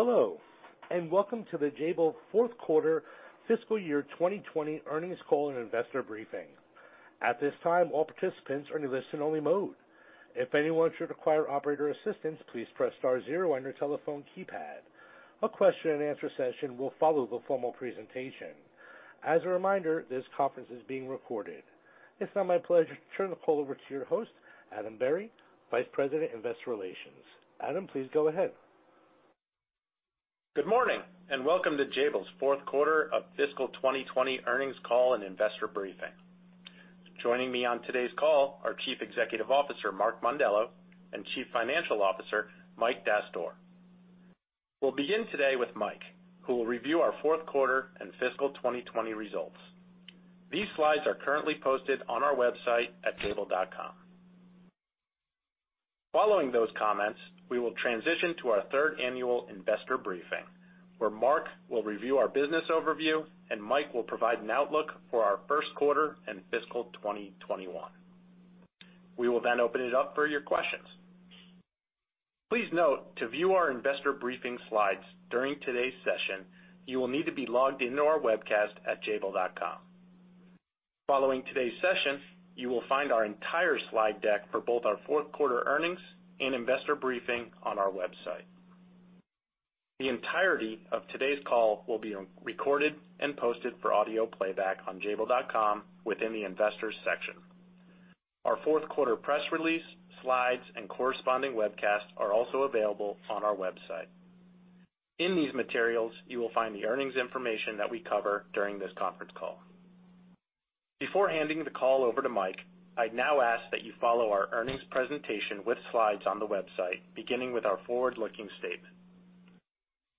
Hello, and welcome to the Jabil fourth quarter fiscal year 2020 earnings call and investor briefing. At this time, all participants are in listen-only mode. If anyone should require operator assistance, please press star zero on your telephone keypad. A question-and-answer session will follow the formal presentation. As a reminder, this conference is being recorded. It's now my pleasure to turn the call over to your host, Adam Berry, Vice President, Investor Relations. Adam, please go ahead. Good morning, and welcome to Jabil's fourth quarter of fiscal 2020 earnings call and investor briefing. Joining me on today's call are Chief Executive Officer Mark Mondello and Chief Financial Officer Mike Dastoor. We'll begin today with Mike, who will review our fourth quarter and fiscal 2020 results. These slides are currently posted on our website at jabil.com. Following those comments, we will transition to our third annual investor briefing, where Mark will review our business overview, and Mike will provide an outlook for our first quarter and fiscal 2021. We will then open it up for your questions. Please note, to view our investor briefing slides during today's session, you will need to be logged into our webcast at jabil.com. Following today's session, you will find our entire slide deck for both our fourth quarter earnings and investor briefing on our website. The entirety of today's call will be recorded and posted for audio playback on jabil.com within the Investors section. Our fourth quarter press release, slides, and corresponding webcasts are also available on our website. In these materials, you will find the earnings information that we cover during this conference call. Before handing the call over to Mike, I'd now ask that you follow our earnings presentation with slides on the website, beginning with our forward-looking statement.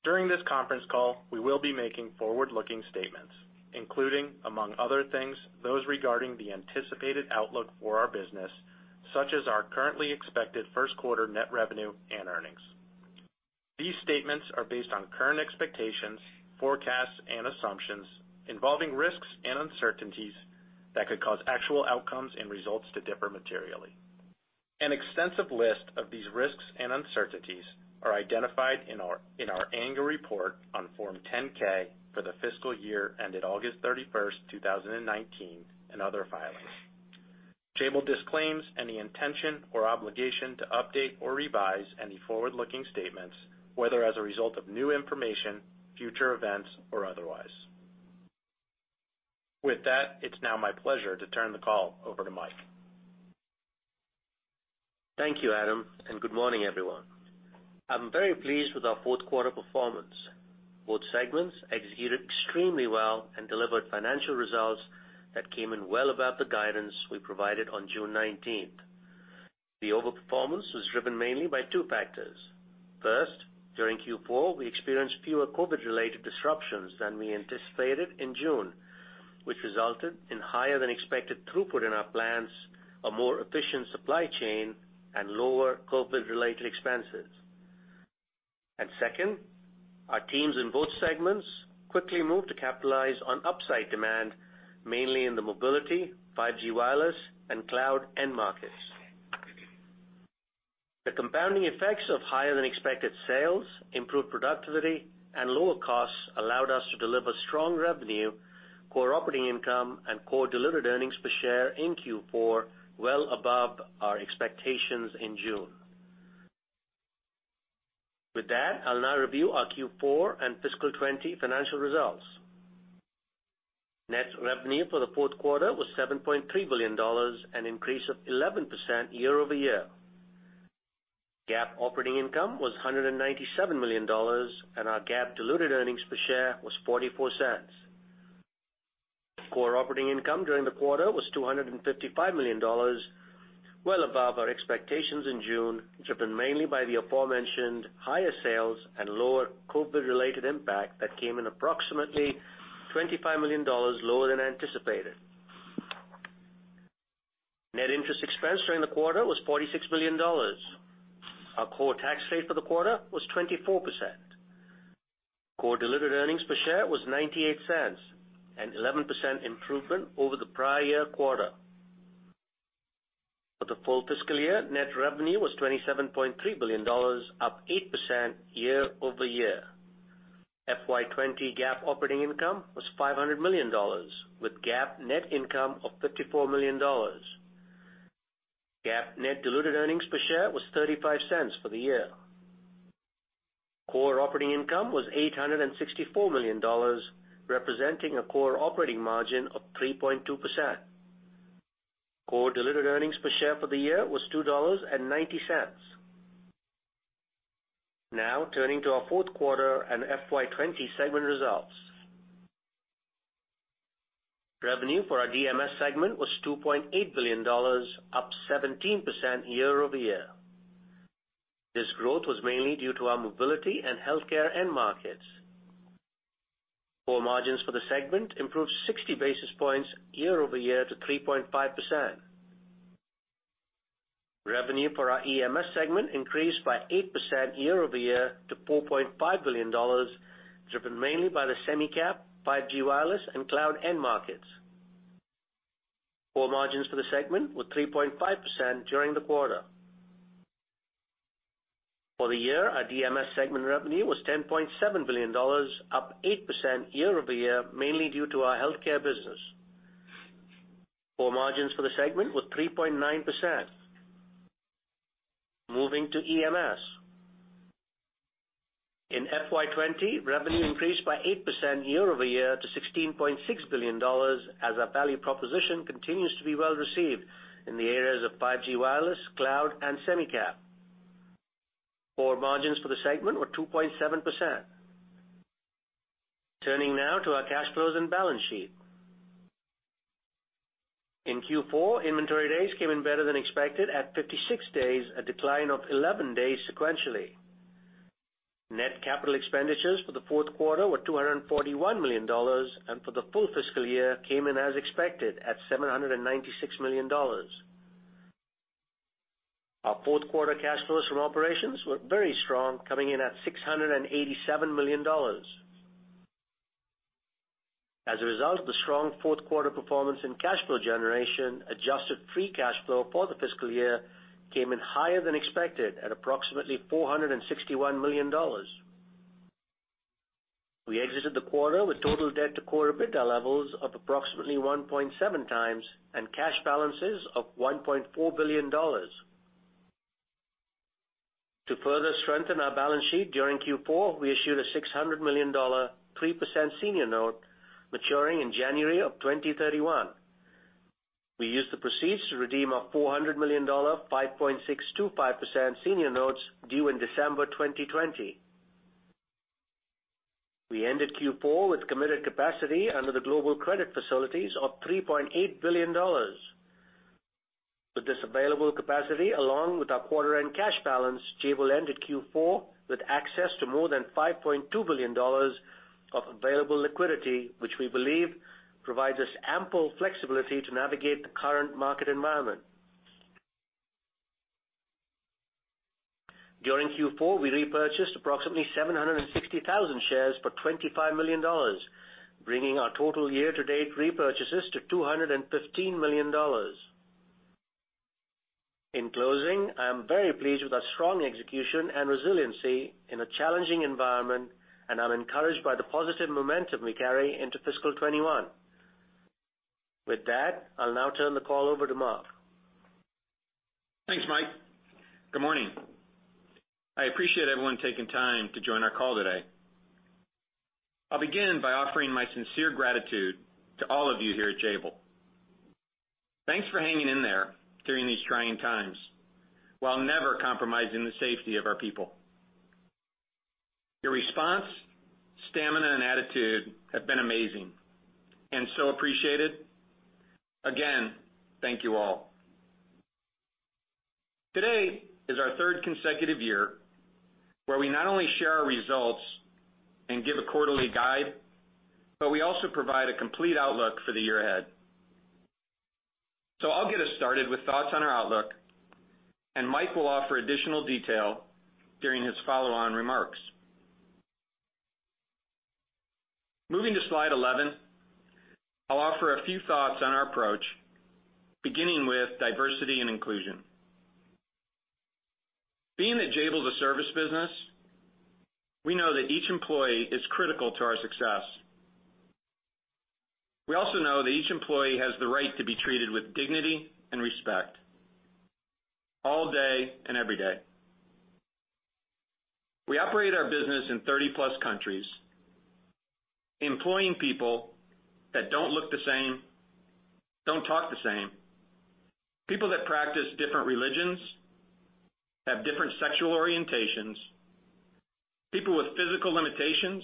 During this conference call, we will be making forward-looking statements, including, among other things, those regarding the anticipated outlook for our business, such as our currently expected first quarter net revenue and earnings. These statements are based on current expectations, forecasts, and assumptions involving risks and uncertainties that could cause actual outcomes and results to differ materially. An extensive list of these risks and uncertainties are identified in our annual report on Form 10-K for the fiscal year ended August 31st 2019, and other filings. Jabil disclaims any intention or obligation to update or revise any forward-looking statements, whether as a result of new information, future events, or otherwise. With that, it's now my pleasure to turn the call over to Mike. Thank you, Adam, and good morning, everyone. I'm very pleased with our fourth quarter performance. Both segments executed extremely well and delivered financial results that came in well above the guidance we provided on June 19th. The overperformance was driven mainly by two factors. First, during Q4, we experienced fewer COVID-related disruptions than we anticipated in June, which resulted in higher-than-expected throughput in our plants, a more efficient supply chain, and lower COVID-related expenses, and second, our teams in both segments quickly moved to capitalize on upside demand, mainly in the Mobility, 5G Wireless, and Cloud end markets. The compounding effects of higher-than-expected sales, improved productivity, and lower costs allowed us to deliver strong revenue, core operating income, and core delivered earnings per share in Q4 well above our expectations in June. With that, I'll now review our Q4 and fiscal 2020 financial results. Net revenue for the fourth quarter was $7.3 billion, an increase of 11% year-over-year. GAAP operating income was $197 million, and our GAAP delivered earnings per share was $0.44. Core operating income during the quarter was $255 million, well above our expectations in June, driven mainly by the aforementioned higher sales and lower COVID-related impact that came in approximately $25 million lower than anticipated. Net interest expense during the quarter was $46 million. Our core tax rate for the quarter was 24%. Core delivered earnings per share was $0.98, an 11% improvement over the prior year quarter. For the full fiscal year, net revenue was $27.3 billion, up 8% year-over-year. FY2020 GAAP operating income was $500 million, with GAAP net income of $54 million. GAAP net delivered earnings per share was $0.35 for the year. Core operating income was $864 million, representing a core operating margin of 3.2%. Core delivered earnings per share for the year was $2.90. Now, turning to our fourth quarter and FY2020 segment results. Revenue for our DMS segment was $2.8 billion, up 17% year-over-year. This growth was mainly due to our Mobility and Healthcare end markets. Core margins for the segment improved 60 basis points year-over-year to 3.5%. Revenue for our EMS segment increased by 8% year-over-year to $4.5 billion, driven mainly by the Semi-Cap, 5G Wireless, and Cloud end markets. Core margins for the segment were 3.5% during the quarter. For the year, our DMS segment revenue was $10.7 billion, up 8% year-over-year, mainly due to our Healthcare business. Core margins for the segment were 3.9%. Moving to EMS. In FY2020, revenue increased by 8% year-over-year to $16.6 billion, as our value proposition continues to be well received in the areas of 5G Wireless, Cloud, and Semi-Cap. Core margins for the segment were 2.7%. Turning now to our cash flows and balance sheet. In Q4, inventory days came in better than expected at 56 days, a decline of 11 days sequentially. Net capital expenditures for the fourth quarter were $241 million, and for the full fiscal year, came in as expected at $796 million. Our fourth quarter cash flows from operations were very strong, coming in at $687 million. As a result, the strong fourth quarter performance in cash flow generation, adjusted free cash flow for the fiscal year, came in higher than expected at approximately $461 million. We exited the quarter with total debt to core EBITDA levels of approximately 1.7x and cash balances of $1.4 billion. To further strengthen our balance sheet during Q4, we issued a $600 million, 3% senior note, maturing in January of 2031. We used the proceeds to redeem our $400 million, 5.625% senior notes due in December 2020. We ended Q4 with committed capacity under the global credit facilities of $3.8 billion. With this available capacity, along with our quarter-end cash balance, Jabil ended Q4 with access to more than $5.2 billion of available liquidity, which we believe provides us ample flexibility to navigate the current market environment. During Q4, we repurchased approximately 760,000 shares for $25 million, bringing our total year-to-date repurchases to $215 million. In closing, I am very pleased with our strong execution and resiliency in a challenging environment, and I'm encouraged by the positive momentum we carry into fiscal 2021. With that, I'll now turn the call over to Mark. Thanks, Mike. Good morning. I appreciate everyone taking time to join our call today. I'll begin by offering my sincere gratitude to all of you here at Jabil. Thanks for hanging in there during these trying times while never compromising the safety of our people. Your response, stamina, and attitude have been amazing and so appreciated. Again, thank you all. Today is our third consecutive year where we not only share our results and give a quarterly guide, but we also provide a complete outlook for the year ahead. So I'll get us started with thoughts on our outlook, and Mike will offer additional detail during his follow-on remarks. Moving to slide 11, I'll offer a few thoughts on our approach, beginning with diversity and inclusion. Being that Jabil is a service business, we know that each employee is critical to our success. We also know that each employee has the right to be treated with dignity and respect all day and every day. We operate our business in 30-plus countries, employing people that don't look the same, don't talk the same, people that practice different religions, have different sexual orientations, people with physical limitations,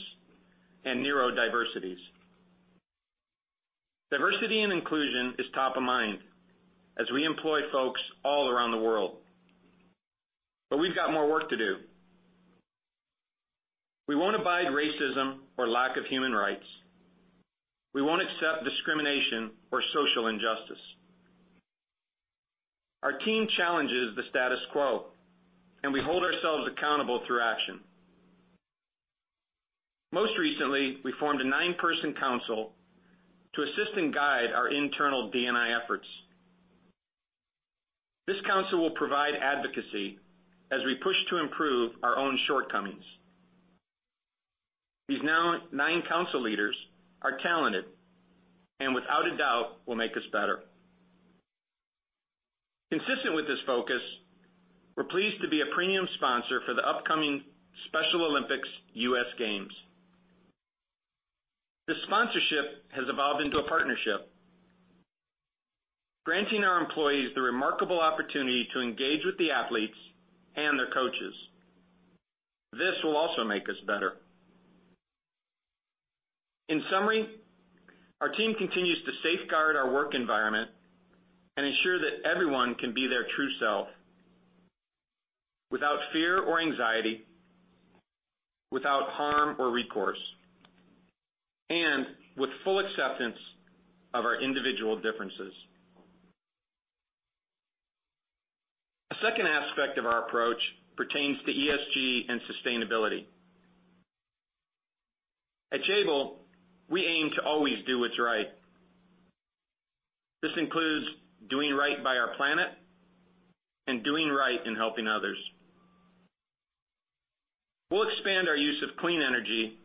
and neurodiversities. Diversity and inclusion is top of mind as we employ folks all around the world, but we've got more work to do. We won't abide racism or lack of human rights. We won't accept discrimination or social injustice. Our team challenges the status quo, and we hold ourselves accountable through action. Most recently, we formed a nine-person council to assist and guide our internal D&I efforts. This council will provide advocacy as we push to improve our own shortcomings. These now nine council leaders are talented and, without a doubt, will make us better. Consistent with this focus, we're pleased to be a premium sponsor for the upcoming Special Olympics U.S. Games. The sponsorship has evolved into a partnership, granting our employees the remarkable opportunity to engage with the athletes and their coaches. This will also make us better. In summary, our team continues to safeguard our work environment and ensure that everyone can be their true self without fear or anxiety, without harm or recourse, and with full acceptance of our individual differences. A second aspect of our approach pertains to ESG and sustainability. At Jabil, we aim to always do what's right. This includes doing right by our planet and doing right in helping others. We'll expand our use of clean energy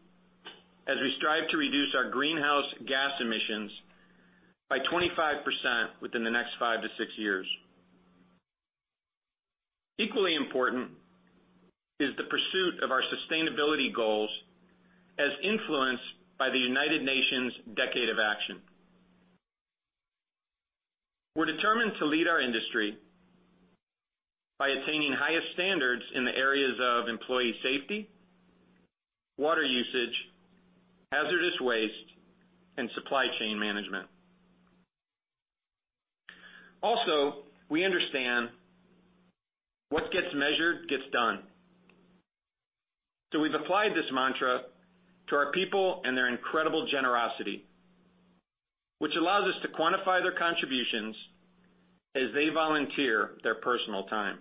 as we strive to reduce our greenhouse gas emissions by 25% within the next five to six years. Equally important is the pursuit of our sustainability goals as influenced by the United Nations Decade of Action. We're determined to lead our industry by attaining highest standards in the areas of employee safety, water usage, hazardous waste, and supply chain management. Also, we understand what gets measured gets done. So we've applied this mantra to our people and their incredible generosity, which allows us to quantify their contributions as they volunteer their personal time.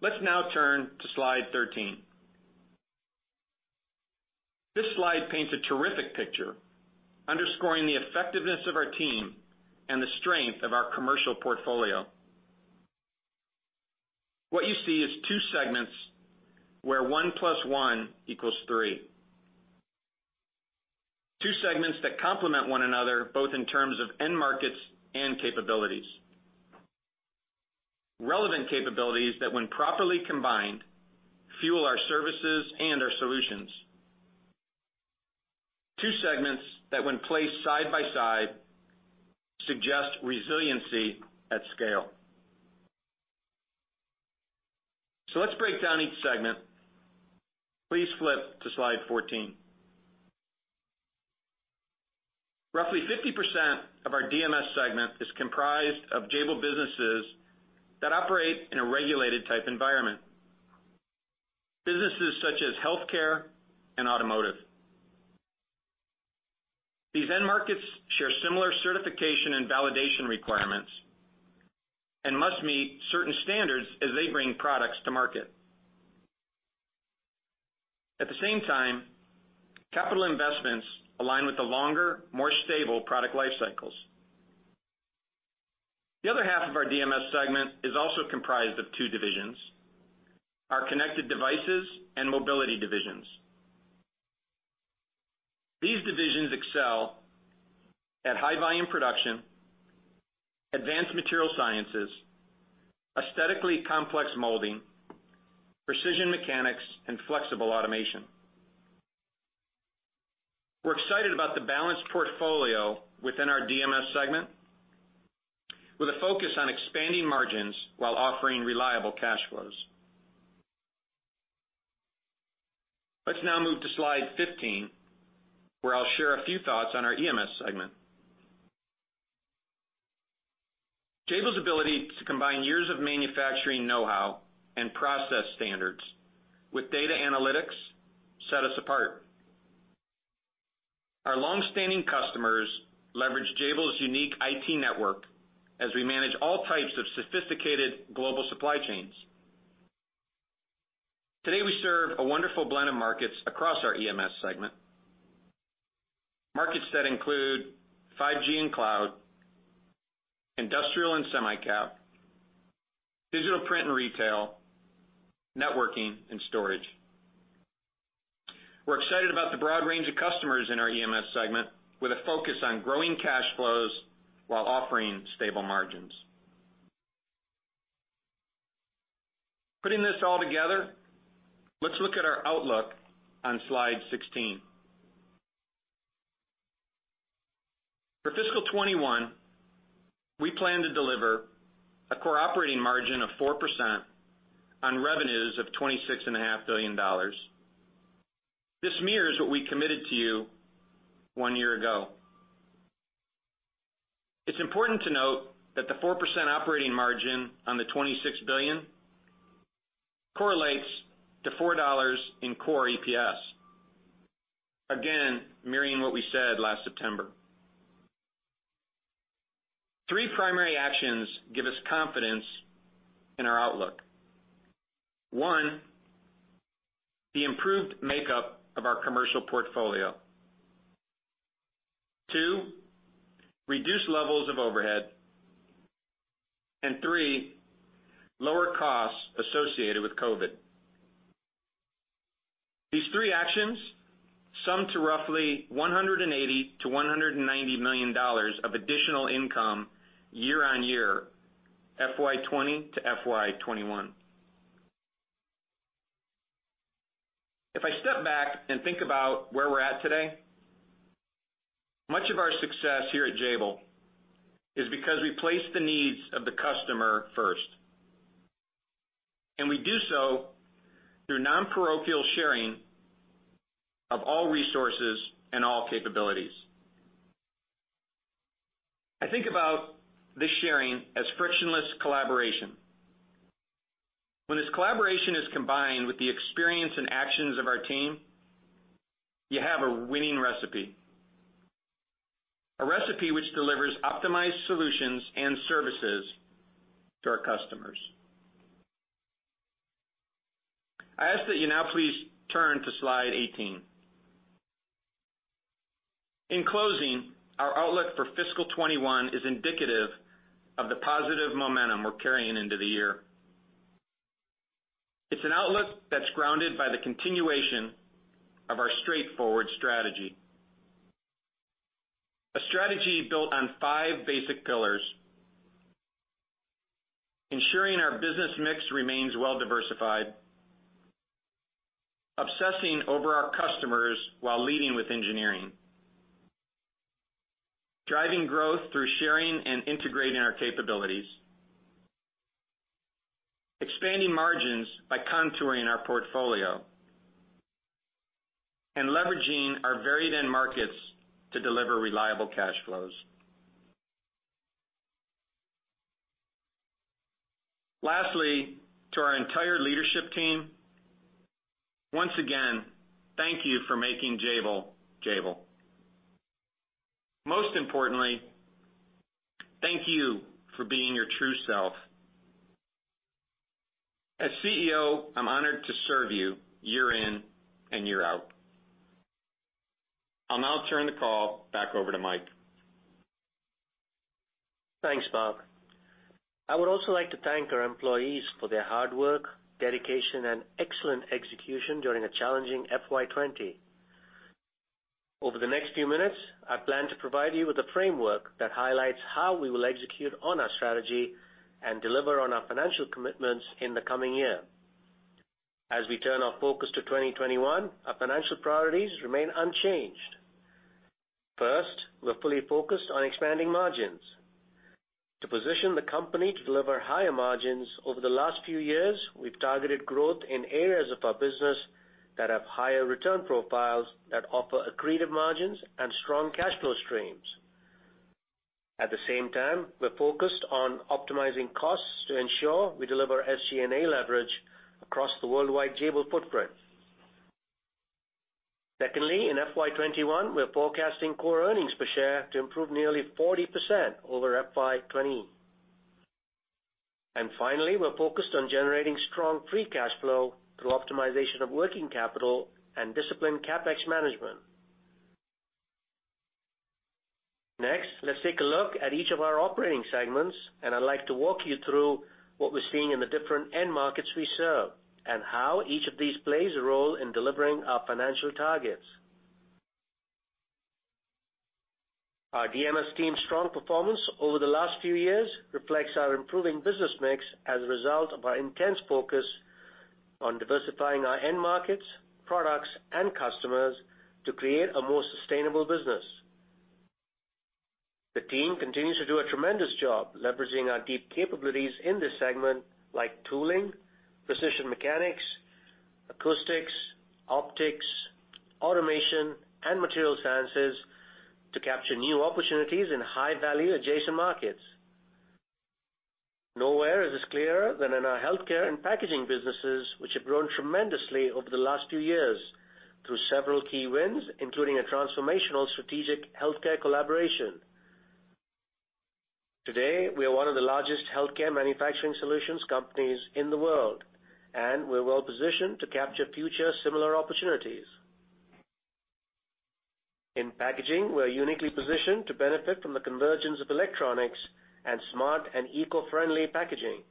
Let's now turn to slide 13. This slide paints a terrific picture, underscoring the effectiveness of our team and the strength of our commercial portfolio. What you see is two segments where one plus one equals three. Two segments that complement one another, both in terms of end markets and capabilities. Relevant capabilities that, when properly combined, fuel our services and our solutions. Two segments that, when placed side by side, suggest resiliency at scale. So let's break down each segment. Please flip to slide 14. Roughly 50% of our DMS segment is comprised of Jabil businesses that operate in a regulated-type environment, businesses such as Healthcare and Automotive. These end markets share similar certification and validation requirements and must meet certain standards as they bring products to market. At the same time, capital investments align with the longer, more stable product life cycles. The other half of our DMS segment is also comprised of two divisions, our Connected Devices and Mobility divisions. These divisions excel at high-volume production, advanced material sciences, aesthetically complex molding, precision mechanics, and flexible automation. We're excited about the balanced portfolio within our DMS segment, with a focus on expanding margins while offering reliable cash flows. Let's now move to slide 15, where I'll share a few thoughts on our EMS segment. Jabil's ability to combine years of manufacturing know-how and process standards with data analytics set us apart. Our long-standing customers leverage Jabil's unique IT network as we manage all types of sophisticated global supply chains. Today, we serve a wonderful blend of markets across our EMS segment. Markets that include 5G and Cloud, Industrial and Semi-Cap, Digital Print and Retail, Networking and Storage. We're excited about the broad range of customers in our EMS segment, with a focus on growing cash flows while offering stable margins. Putting this all together, let's look at our outlook on slide 16. For fiscal 2021, we plan to deliver a core operating margin of 4% on revenues of $26.5 billion. This mirrors what we committed to you one year ago. It's important to note that the 4% operating margin on the $26 billion correlates to $4 in core EPS, again mirroring what we said last September. Three primary actions give us confidence in our outlook. One, the improved makeup of our commercial portfolio. Two, reduced levels of overhead. And three, lower costs associated with COVID. These three actions sum to roughly $180 million-$190 million of additional income year-on-year, FY2020 to FY2021. If I step back and think about where we're at today, much of our success here at Jabil is because we place the needs of the customer first. And we do so through nonparochial sharing of all resources and all capabilities. I think about this sharing as frictionless collaboration. When this collaboration is combined with the experience and actions of our team, you have a winning recipe, a recipe which delivers optimized solutions and services to our customers. I ask that you now please turn to slide 18. In closing, our outlook for fiscal 2021 is indicative of the positive momentum we're carrying into the year. It's an outlook that's grounded by the continuation of our straightforward strategy, a strategy built on five basic pillars: ensuring our business mix remains well-diversified, obsessing over our customers while leading with engineering, driving growth through sharing and integrating our capabilities, expanding margins by contouring our portfolio, and leveraging our varied end markets to deliver reliable cash flows. Lastly, to our entire leadership team, once again, thank you for making Jabil, Jabil. Most importantly, thank you for being your true self. As CEO, I'm honored to serve you year in and year out. I'll now turn the call back over to Mike. Thanks, Mark. I would also like to thank our employees for their hard work, dedication, and excellent execution during a challenging FY2020. Over the next few minutes, I plan to provide you with a framework that highlights how we will execute on our strategy and deliver on our financial commitments in the coming year. As we turn our focus to 2021, our financial priorities remain unchanged. First, we're fully focused on expanding margins. To position the company to deliver higher margins over the last few years, we've targeted growth in areas of our business that have higher return profiles that offer accretive margins and strong cash flow streams. At the same time, we're focused on optimizing costs to ensure we deliver SG&A leverage across the worldwide Jabil footprint. Secondly, in FY2021, we're forecasting core earnings per share to improve nearly 40% over FY2020. And finally, we're focused on generating strong free cash flow through optimization of working capital and disciplined CapEx management. Next, let's take a look at each of our operating segments, and I'd like to walk you through what we're seeing in the different end markets we serve and how each of these plays a role in delivering our financial targets. Our DMS team's strong performance over the last few years reflects our improving business mix as a result of our intense focus on diversifying our end markets, products, and customers to create a more sustainable business. The team continues to do a tremendous job leveraging our deep capabilities in this segment, like tooling, precision mechanics, acoustics, optics, automation, and materials sciences, to capture new opportunities in high-value adjacent markets. Nowhere is this clearer than in our Healthcare and Packaging businesses, which have grown tremendously over the last few years through several key wins, including a transformational strategic healthcare collaboration. Today, we are one of the largest healthcare manufacturing solutions companies in the world, and we're well-positioned to capture future similar opportunities. In Packaging, we're uniquely positioned to benefit from the convergence of electronics and smart and eco-friendly packaging.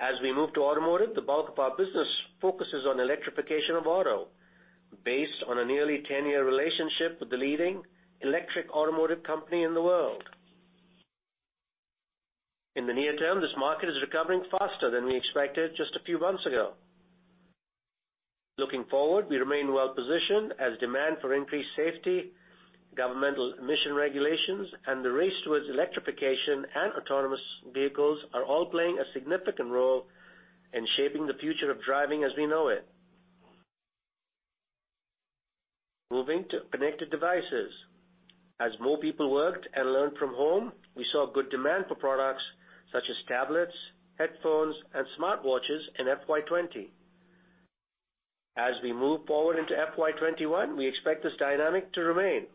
As we move to Automotive, the bulk of our business focuses on electrification of auto, based on a nearly 10-year relationship with the leading electric automotive company in the world. In the near term, this market is recovering faster than we expected just a few months ago. Looking forward, we remain well-positioned as demand for increased safety, governmental emission regulations, and the race towards electrification and autonomous vehicles are all playing a significant role in shaping the future of driving as we know it. Moving to Connected Devices. As more people worked and learned from home, we saw good demand for products such as tablets, headphones, and smartwatches in FY2020. As we move forward into FY2021, we expect this dynamic to remain.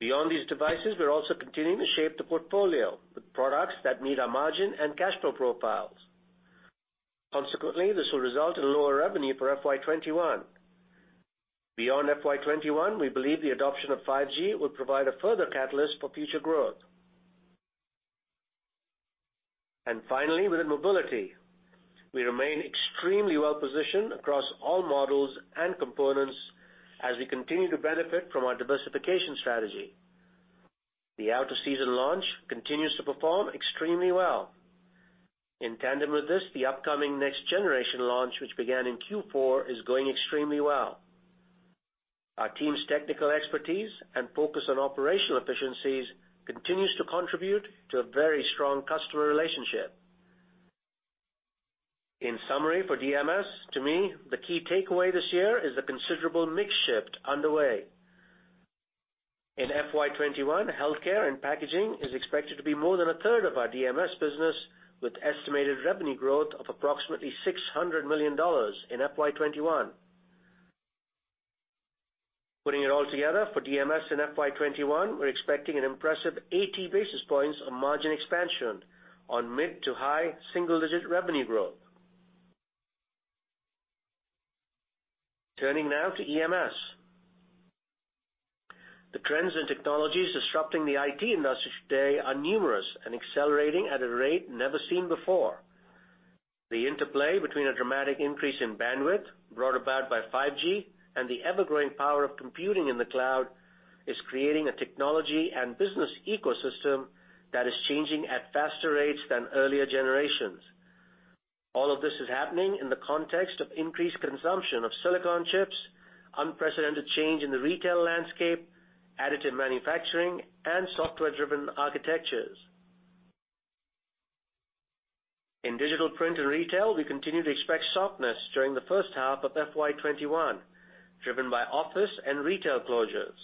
Beyond these devices, we're also continuing to shape the portfolio with products that meet our margin and cash flow profiles. Consequently, this will result in lower revenue for FY2021. Beyond FY2021, we believe the adoption of 5G will provide a further catalyst for future growth. And finally, within Mobility, we remain extremely well-positioned across all models and components as we continue to benefit from our diversification strategy. The out-of-season launch continues to perform extremely well. In tandem with this, the upcoming next-generation launch, which began in Q4, is going extremely well. Our team's technical expertise and focus on operational efficiencies continues to contribute to a very strong customer relationship. In summary for DMS, to me, the key takeaway this year is the considerable mix shift underway. In FY2021, Healthcare and Packaging is expected to be more than a third of our DMS business, with estimated revenue growth of approximately $600 million in FY2021. Putting it all together, for DMS in FY2021, we're expecting an impressive 80 basis points of margin expansion on mid- to high single-digit revenue growth. Turning now to EMS. The trends and technologies disrupting the IT industry today are numerous and accelerating at a rate never seen before. The interplay between a dramatic increase in bandwidth brought about by 5G and the ever-growing power of computing in the cloud is creating a technology and business ecosystem that is changing at faster rates than earlier generations. All of this is happening in the context of increased consumption of silicon chips, unprecedented change in the retail landscape, additive manufacturing, and software-driven architectures. In Digital Print and Retail, we continue to expect softness during the first half of FY2021, driven by office and retail closures.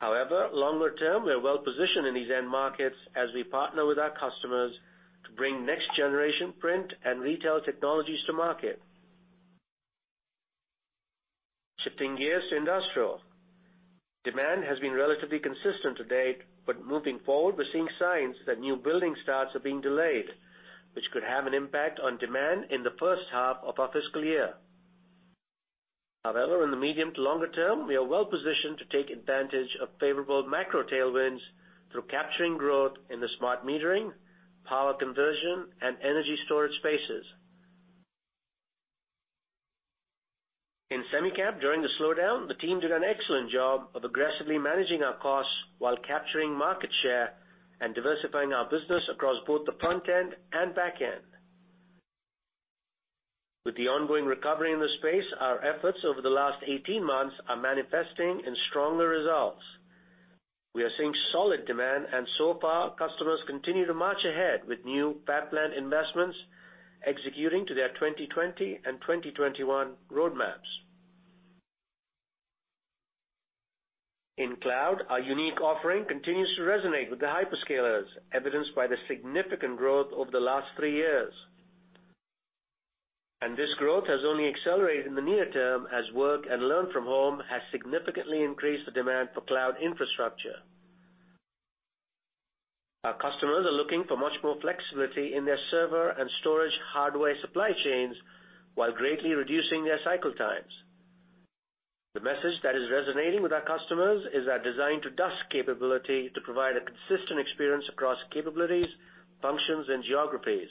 However, longer term, we're well-positioned in these end markets as we partner with our customers to bring next-generation print and retail technologies to market. Shifting gears to Industrial. Demand has been relatively consistent to date, but moving forward, we're seeing signs that new building starts are being delayed, which could have an impact on demand in the first half of our fiscal year. However, in the medium to longer term, we are well-positioned to take advantage of favorable macro tailwinds through capturing growth in the smart metering, power conversion, and energy storage spaces. In Semi-Cap, during the slowdown, the team did an excellent job of aggressively managing our costs while capturing market share and diversifying our business across both the front end and back end. With the ongoing recovery in the space, our efforts over the last 18 months are manifesting in stronger results. We are seeing solid demand, and so far, customers continue to march ahead with new fab plant investments, executing to their 2020 and 2021 roadmaps. In Cloud, our unique offering continues to resonate with the hyperscalers, evidenced by the significant growth over the last three years, and this growth has only accelerated in the near term as work and learn from home has significantly increased the demand for cloud infrastructure. Our customers are looking for much more flexibility in their server and storage hardware supply chains while greatly reducing their cycle times. The message that is resonating with our customers is our Design-to-Dust capability to provide a consistent experience across capabilities, functions, and geographies.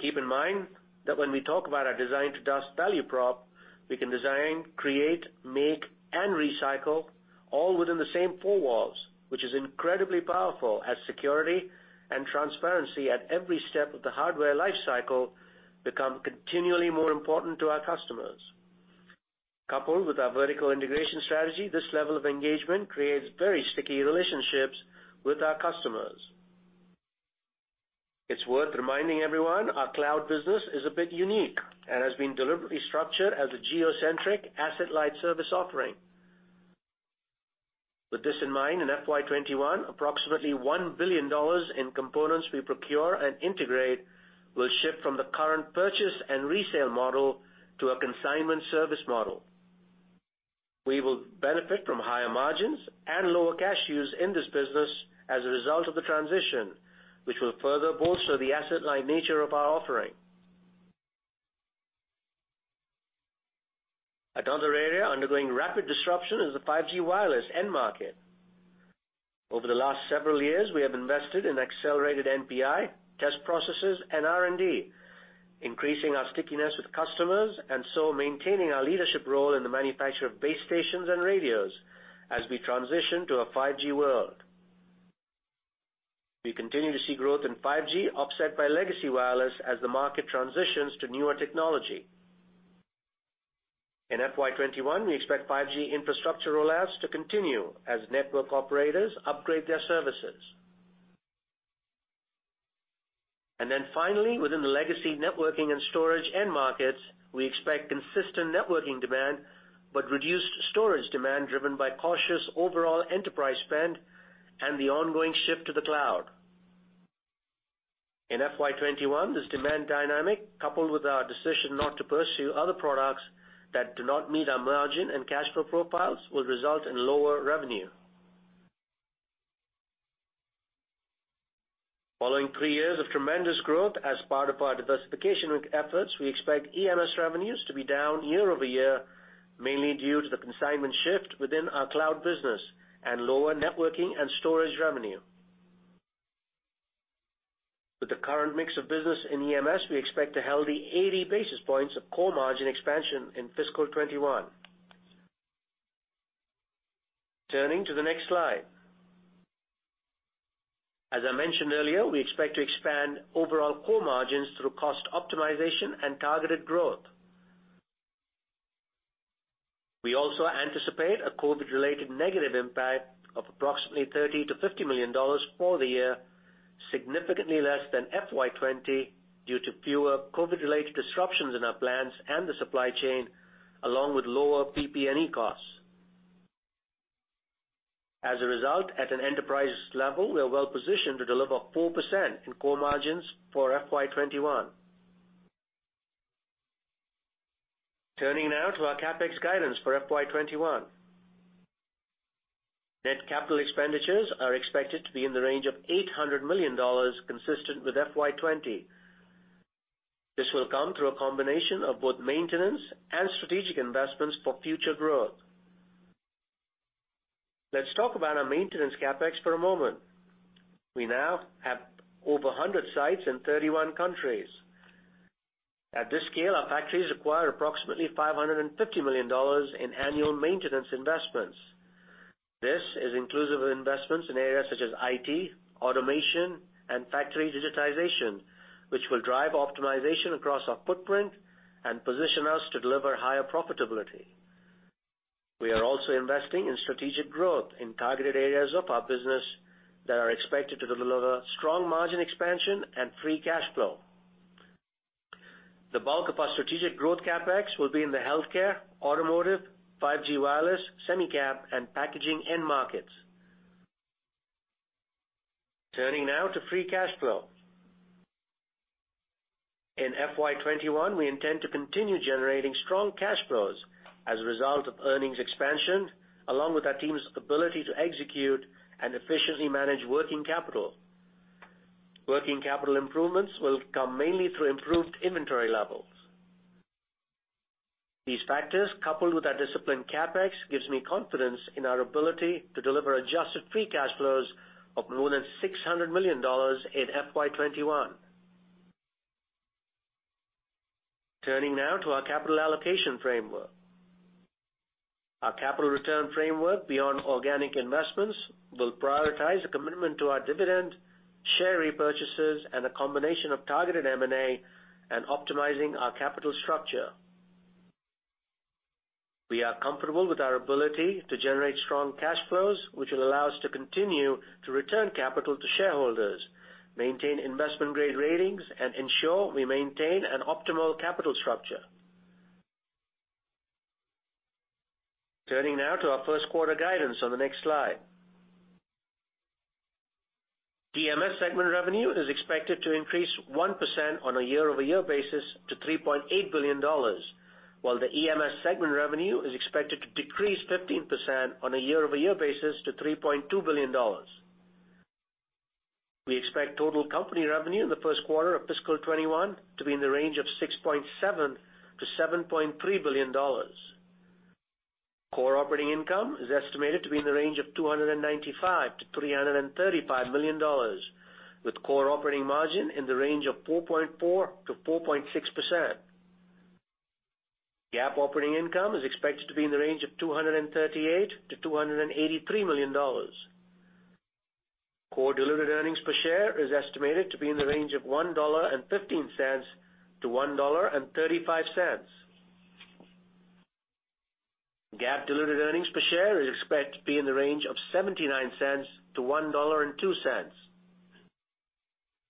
Keep in mind that when we talk about our Design-to-Dust value prop, we can design, create, make, and recycle, all within the same four walls, which is incredibly powerful as security and transparency at every step of the hardware lifecycle become continually more important to our customers. Coupled with our vertical integration strategy, this level of engagement creates very sticky relationships with our customers. It's worth reminding everyone our Cloud business is a bit unique and has been deliberately structured as a geocentric asset-light service offering. With this in mind, in FY2021, approximately $1 billion in components we procure and integrate will shift from the current purchase and resale model to a consignment service model. We will benefit from higher margins and lower cash use in this business as a result of the transition, which will further bolster the asset-light nature of our offering. Another area undergoing rapid disruption is the 5G Wireless end market. Over the last several years, we have invested in accelerated NPI, test processes, and R&D, increasing our stickiness with customers and so maintaining our leadership role in the manufacture of base stations and radios as we transition to a 5G world. We continue to see growth in 5G, offset by legacy wireless, as the market transitions to newer technology. In FY2021, we expect 5G infrastructure rollouts to continue as network operators upgrade their services. And then finally, within the legacy Networking and Storage end markets, we expect consistent networking demand but reduced storage demand driven by cautious overall enterprise spend and the ongoing shift to the cloud. In FY2021, this demand dynamic, coupled with our decision not to pursue other products that do not meet our margin and cash flow profiles, will result in lower revenue. Following three years of tremendous growth as part of our diversification efforts, we expect EMS revenues to be down year-over-year, mainly due to the consignment shift within our Cloud business and lower Networking and Storage revenue. With the current mix of business in EMS, we expect a healthy 80 basis points of core margin expansion in fiscal 2021. Turning to the next slide. As I mentioned earlier, we expect to expand overall core margins through cost optimization and targeted growth. We also anticipate a COVID-related negative impact of approximately $30 million-$50 million for the year, significantly less than FY2020 due to fewer COVID-related disruptions in our plants and the supply chain, along with lower PP&E costs. As a result, at an enterprise level, we're well-positioned to deliver 4% in core margins for FY2021. Turning now to our CapEx guidance for FY2021. Net capital expenditures are expected to be in the range of $800 million, consistent with FY2020. This will come through a combination of both maintenance and strategic investments for future growth. Let's talk about our maintenance CapEx for a moment. We now have over 100 sites in 31 countries. At this scale, our factories require approximately $550 million in annual maintenance investments. This is inclusive of investments in areas such as IT, automation, and factory digitization, which will drive optimization across our footprint and position us to deliver higher profitability. We are also investing in strategic growth in targeted areas of our business that are expected to deliver strong margin expansion and free cash flow. The bulk of our strategic growth CapEx will be in the Healthcare, Automotive, 5G Wireless, Semi-Cap, and Packaging end markets. Turning now to free cash flow. In FY2021, we intend to continue generating strong cash flows as a result of earnings expansion, along with our team's ability to execute and efficiently manage working capital. Working capital improvements will come mainly through improved inventory levels. These factors, coupled with our disciplined CapEx, give me confidence in our ability to deliver adjusted free cash flows of more than $600 million in FY2021. Turning now to our capital allocation framework. Our capital return framework beyond organic investments will prioritize a commitment to our dividend, share repurchases, and a combination of targeted M&A and optimizing our capital structure. We are comfortable with our ability to generate strong cash flows, which will allow us to continue to return capital to shareholders, maintain investment-grade ratings, and ensure we maintain an optimal capital structure. Turning now to our first quarter guidance on the next slide. DMS segment revenue is expected to increase 1% on a year-over-year basis to $3.8 billion, while the EMS segment revenue is expected to decrease 15% on a year-over-year basis to $3.2 billion. We expect total company revenue in the first quarter of fiscal 2021 to be in the range of $6.7 billion-$7.3 billion. Core operating income is estimated to be in the range of $295 million-$335 million, with core operating margin in the range of 4.4%-4.6%. GAAP operating income is expected to be in the range of $238 million-$283 million. Core delivered earnings per share is estimated to be in the range of $1.15-$1.35. GAAP delivered earnings per share is expected to be in the range of $0.79-$1.02.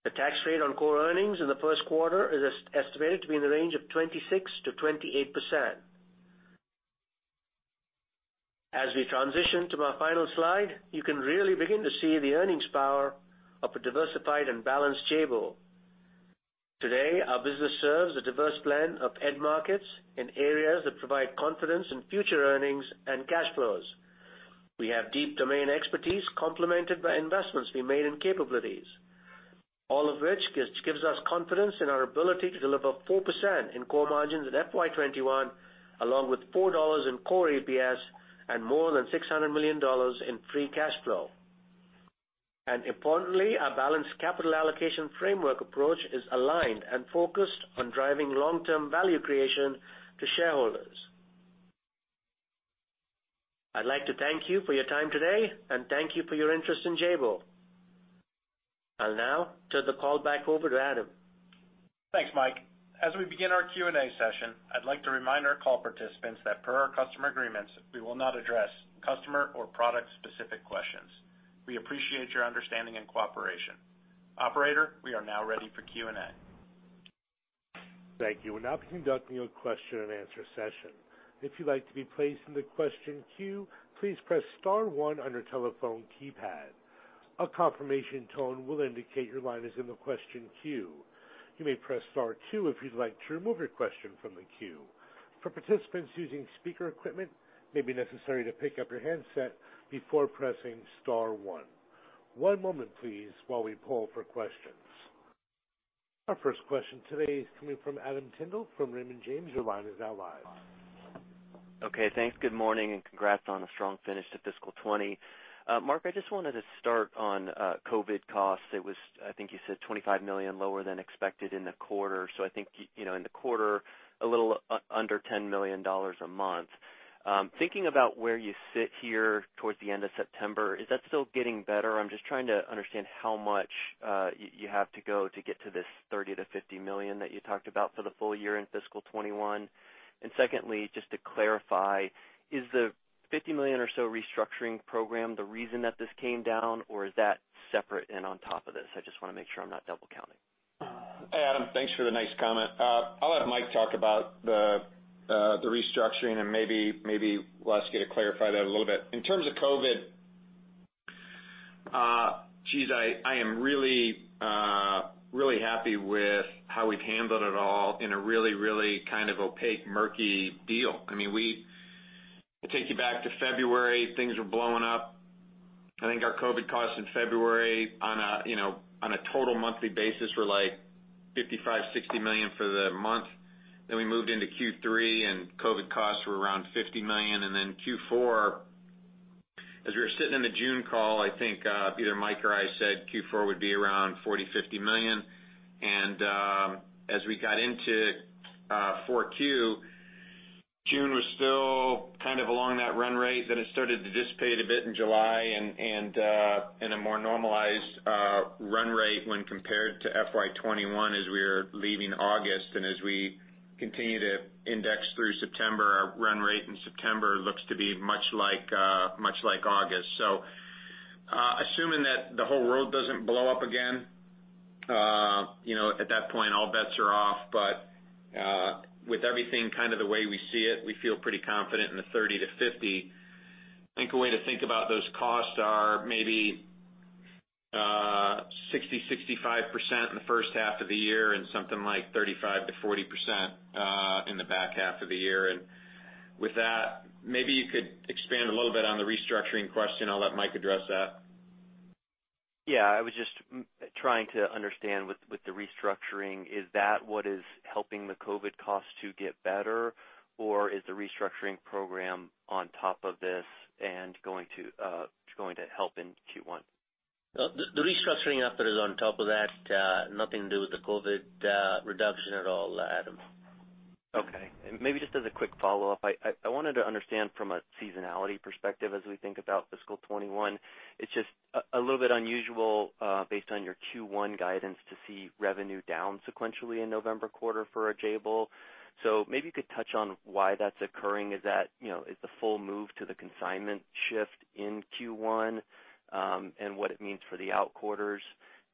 The tax rate on core earnings in the first quarter is estimated to be in the range of 26%-28%. As we transition to my final slide, you can really begin to see the earnings power of a diversified and balanced table. Today, our business serves a diverse blend of end markets in areas that provide confidence in future earnings and cash flows. We have deep domain expertise complemented by investments we made in capabilities, all of which gives us confidence in our ability to deliver 4% in core margins in FY2021, along with $4 in core EPS and more than $600 million in free cash flow, and importantly, our balanced capital allocation framework approach is aligned and focused on driving long-term value creation to shareholders. I'd like to thank you for your time today, and thank you for your interest in Jabil. I'll now turn the call back over to Adam. Thanks, Mike. As we begin our Q&A session, I'd like to remind our call participants that per our customer agreements, we will not address customer or product-specific questions. We appreciate your understanding and cooperation. Operator, we are now ready for Q&A. Thank you. We're now conducting a question-and-answer session. If you'd like to be placed in the question queue, please press star one on your telephone keypad. A confirmation tone will indicate your line is in the question queue. You may press star two if you'd like to remove your question from the queue. For participants using speaker equipment, it may be necessary to pick up your handset before pressing star one. One moment, please, while we pull for questions. Our first question today is coming from Adam Tindle from Raymond James. Your line is now live. Okay. Thanks. Good morning and congrats on a strong finish to fiscal 2020. Mark, I just wanted to start on COVID costs. It was, I think you said, $25 million lower than expected in the quarter. So I think in the quarter, a little under $10 million a month. Thinking about where you sit here towards the end of September, is that still getting better? I'm just trying to understand how much you have to go to get to this $30 million-$50 million that you talked about for the full year in fiscal 2021. And secondly, just to clarify, is the $50 million or so restructuring program the reason that this came down, or is that separate and on top of this? I just want to make sure I'm not double-counting. Adam, thanks for the nice comment. I'll let Mike talk about the restructuring, and maybe we'll ask you to clarify that a little bit. In terms of COVID, geez, I am really happy with how we've handled it all in a really, really kind of opaque, murky deal. I mean, to take you back to February, things were blowing up. I think our COVID costs in February, on a total monthly basis, were like $55 million-$60 million for the month. Then we moved into Q3, and COVID costs were around $50 million. And then Q4, as we were sitting in the June call, I think either Mike or I said Q4 would be around $40 million-$50 million. And as we got into Q4, June was still kind of along that run rate. Then it started to dissipate a bit in July and a more normalized run rate when compared to FY2021 as we were leaving August. And as we continue to index through September, our run rate in September looks to be much like August. So assuming that the whole world doesn't blow up again, at that point, all bets are off. But with everything kind of the way we see it, we feel pretty confident in the $30-$50. I think a way to think about those costs are maybe 60%-65% in the first half of the year and something like 35%-40% in the back half of the year. And with that, maybe you could expand a little bit on the restructuring question. I'll let Mike address that. Yeah. I was just trying to understand with the restructuring, is that what is helping the COVID costs to get better, or is the restructuring program on top of this and going to help in Q1? The restructuring effort is on top of that. Nothing to do with the COVID reduction at all, Adam. Okay. And maybe just as a quick follow-up, I wanted to understand from a seasonality perspective as we think about fiscal 2021. It's just a little bit unusual based on your Q1 guidance to see revenue down sequentially in November quarter for Jabil. So maybe you could touch on why that's occurring. Is that the full move to the consignment shift in Q1 and what it means for the out quarters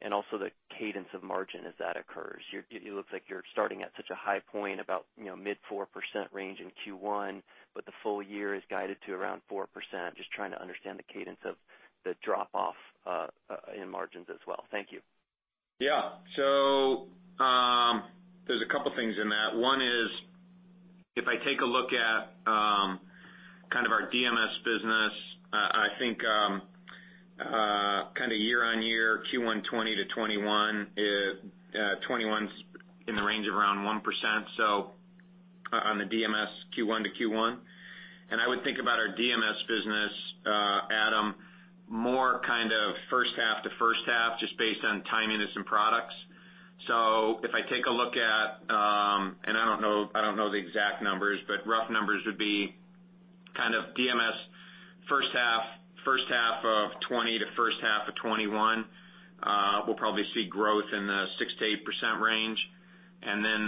and also the cadence of margin as that occurs? It looks like you're starting at such a high point, about mid-4% range in Q1, but the full year is guided to around 4%. Just trying to understand the cadence of the drop-off in margins as well. Thank you. Yeah. So there's a couple of things in that. One is if I take a look at kind of our DMS business, I think kind of year-on-year Q1 2020 to 2021 is 2021's in the range of around 1%, so on the DMS Q1 to Q1. And I would think about our DMS business, Adam, more kind of first half to first half just based on timeliness and products. So if I take a look at, and I don't know the exact numbers, but rough numbers would be kind of DMS first half of 2020 to first half of 2021, we'll probably see growth in the 6%-8% range. And then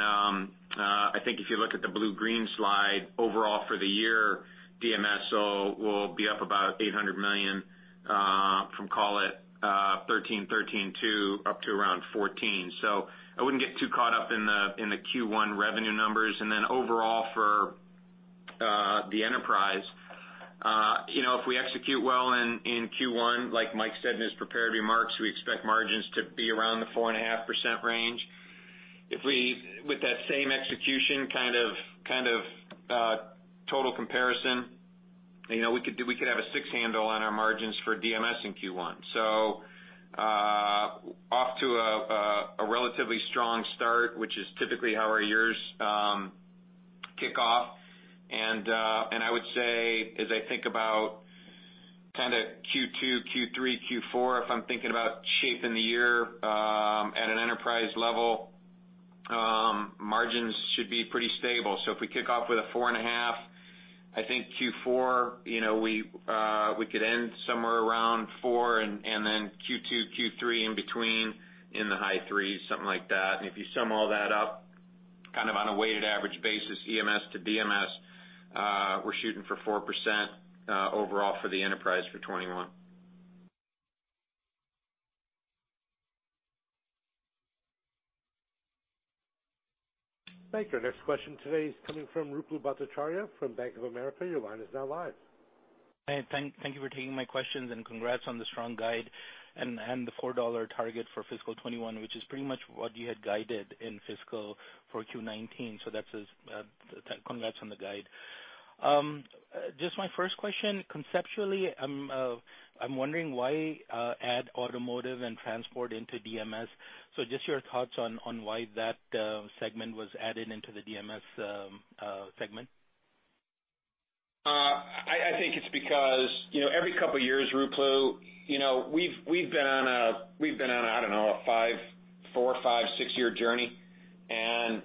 I think if you look at the blue-green slide, overall for the year, DMS will be up about $800 million from call it $13-$13.2 up to around $14. So I wouldn't get too caught up in the Q1 revenue numbers. And then overall for the enterprise, if we execute well in Q1, like Mike said in his prepared remarks, we expect margins to be around the 4.5% range. With that same execution, kind of total comparison, we could have a six-handle on our margins for DMS in Q1, so off to a relatively strong start, which is typically how our years kick off, and I would say, as I think about kind of Q2, Q3, Q4, if I'm thinking about shaping the year at an enterprise level, margins should be pretty stable, so if we kick off with a 4.5%, I think Q4 we could end somewhere around 4, and then Q2, Q3 in between in the high 3s, something like that, and if you sum all that up kind of on a weighted average basis, EMS to DMS, we're shooting for 4% overall for the enterprise for 2021. Thank you. Our next question today is coming from Ruplu Bhattacharya from Bank of America. Your line is now live. Thank you for taking my questions, and congrats on the strong guide and the $4 target for fiscal 2021, which is pretty much what you had guided in fiscal 4Q 2019, so congrats on the guide. Just my first question, conceptually, I'm wondering why add Automotive and Transport into DMS? So just your thoughts on why that segment was added into the DMS segment. I think it's because every couple of years, Ruplu, we've been on a, I don't know, a four, five, six-year journey and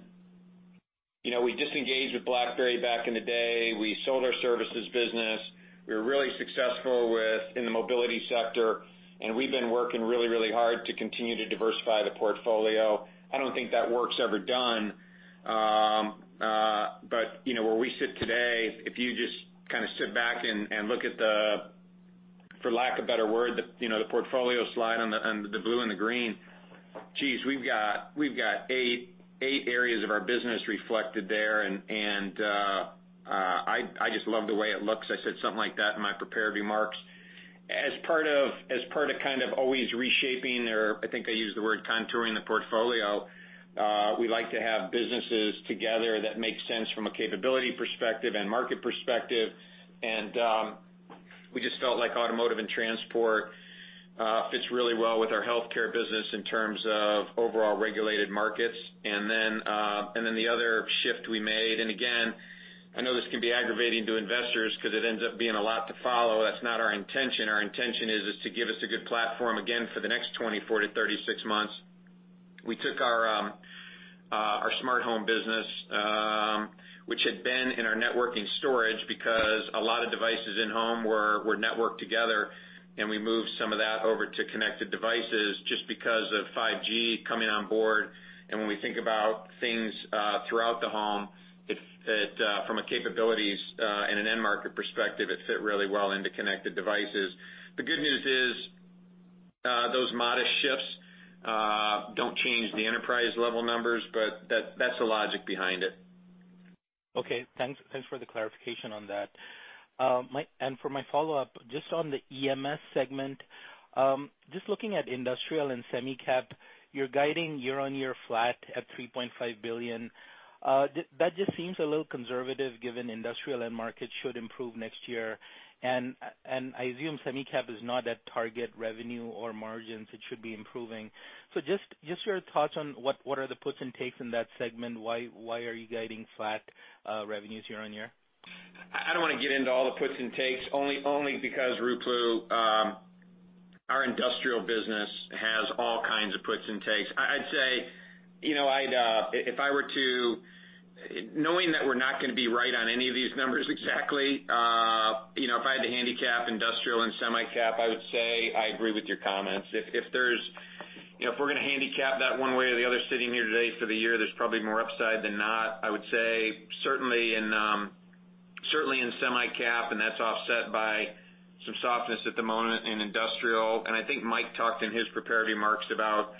we disengaged with BlackBerry back in the day. We sold our services business. We were really successful in the Mobility sector and we've been working really, really hard to continue to diversify the portfolio. I don't think that work's ever done. But where we sit today, if you just kind of sit back and look at the, for lack of a better word, the portfolio slide on the blue and the green, geez, we've got eight areas of our business reflected there. And I just love the way it looks. I said something like that in my prepared remarks. As part of kind of always reshaping, or I think I used the word contouring the portfolio, we like to have businesses together that make sense from a capability perspective and market perspective. And we just felt like Automotive and Transport fits really well with our Healthcare business in terms of overall regulated markets. And then the other shift we made, and again, I know this can be aggravating to investors because it ends up being a lot to follow. That's not our intention. Our intention is to give us a good platform again for the next 24-36 months. We took our Smart Home business, which had been in our Networking Storage, because a lot of devices in home were networked together, and we moved some of that over to Connected Devices just because of 5G coming on board, and when we think about things throughout the home, from a capabilities and an end market perspective, it fit really well into Connected Devices. The good news is those modest shifts don't change the enterprise-level numbers, but that's the logic behind it. Okay. Thanks for the clarification on that, and for my follow-up, just on the EMS segment, just looking at Industrial and Semi-Cap, you're guiding year-on-year flat at $3.5 billion. That just seems a little conservative given Industrial end markets should improve next year. And I assume Semi-Cap is not at target revenue or margins. It should be improving. So just your thoughts on what are the puts and takes in that segment? Why are you guiding flat revenues year-on-year? I don't want to get into all the puts and takes only because, Ruplu, our Industrial business has all kinds of puts and takes. I'd say if I were to knowing that we're not going to be right on any of these numbers exactly, if I had to handicap Industrial and Semi-Cap, I would say I agree with your comments. If we're going to handicap that one way or the other sitting here today for the year, there's probably more upside than not. I would say certainly in Semi-Cap, and that's offset by some softness at the moment in Industrial. And I think Mike talked in his prepared remarks about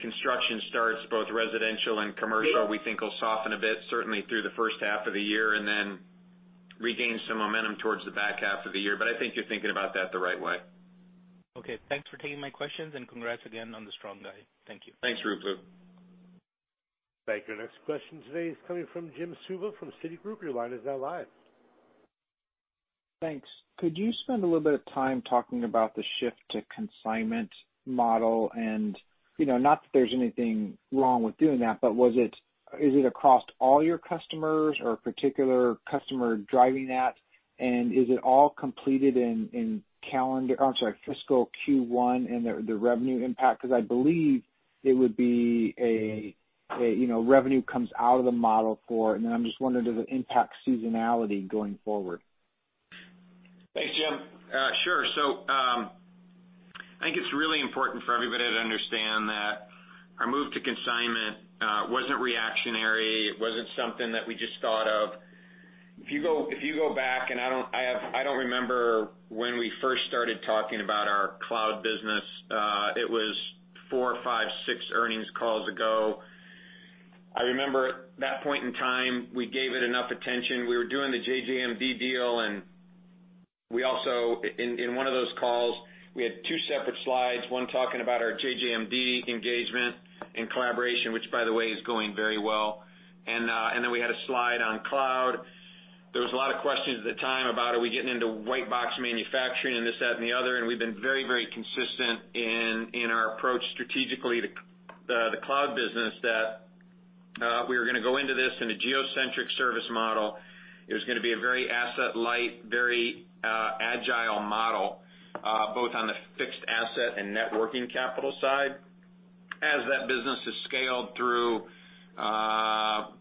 construction starts, both residential and commercial, we think will soften a bit, certainly through the first half of the year and then regain some momentum towards the back half of the year. But I think you're thinking about that the right way. Okay. Thanks for taking my questions, and congrats again on the strong guide. Thank you. Thanks, Ruplu. Thank you. Our next question today is coming from Jim Suva from Citigroup. Your line is now live. Thanks. Could you spend a little bit of time talking about the shift to consignment model? And not that there's anything wrong with doing that, but is it across all your customers or a particular customer driving that? And is it all completed in calendar or, I'm sorry, fiscal Q1 and the revenue impact? Because I believe it would be a revenue comes out of the model for, and then I'm just wondering, does it impact seasonality going forward? Thanks, Jim. Sure. So I think it's really important for everybody to understand that our move to consignment wasn't reactionary. It wasn't something that we just thought of. If you go back, and I don't remember when we first started talking about our Cloud business, it was four, five, six earnings calls ago. I remember at that point in time, we gave it enough attention. We were doing the JJMD deal, and in one of those calls, we had two separate slides, one talking about our JJMD engagement and collaboration, which, by the way, is going very well. And then we had a slide on Cloud. There was a lot of questions at the time about are we getting into white-box manufacturing and this, that, and the other, and we've been very, very consistent in our approach strategically to the Cloud business that we were going to go into this in a geo-centric service model. It was going to be a very asset-light, very agile model, both on the fixed asset and net working capital side. As that business has scaled through, call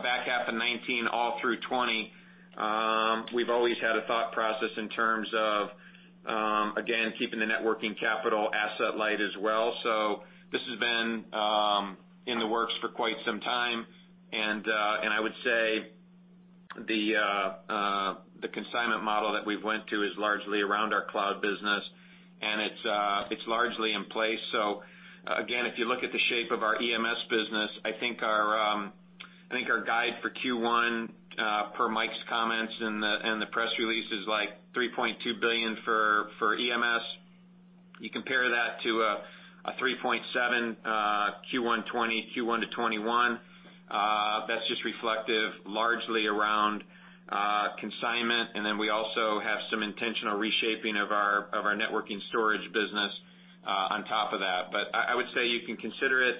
it back half of 2019, all through 2020, we've always had a thought process in terms of, again, keeping the net working capital asset-light as well, so this has been in the works for quite some time, and I would say the consignment model that we've went to is largely around our Cloud business, and it's largely in place. So again, if you look at the shape of our EMS business, I think our guide for Q1, per Mike's comments and the press release, is like $3.2 billion for EMS. You compare that to a $3.7 Q1 2020, Q1 to 2021. That's just reflective largely around consignment. And then we also have some intentional reshaping of our Networking Storage business on top of that. But I would say you can consider it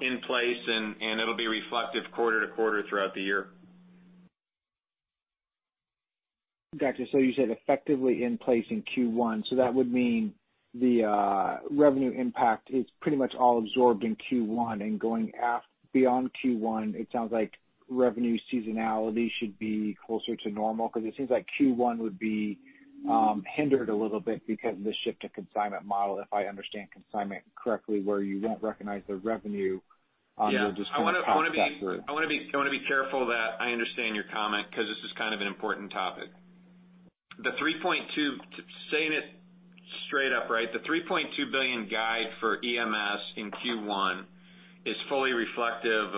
in place, and it'll be reflective quarter to quarter throughout the year. Gotcha. So you said effectively in place in Q1. So that would mean the revenue impact is pretty much all absorbed in Q1. And going beyond Q1, it sounds like revenue seasonality should be closer to normal because it seems like Q1 would be hindered a little bit because of the shift to consignment model, if I understand consignment correctly, where you won't recognize the revenue on the consignment track for it. Yeah. I want to be careful that I understand your comment because this is kind of an important topic. The $3.2, saying it straight up, right? The $3.2 billion guide for EMS in Q1 is fully reflective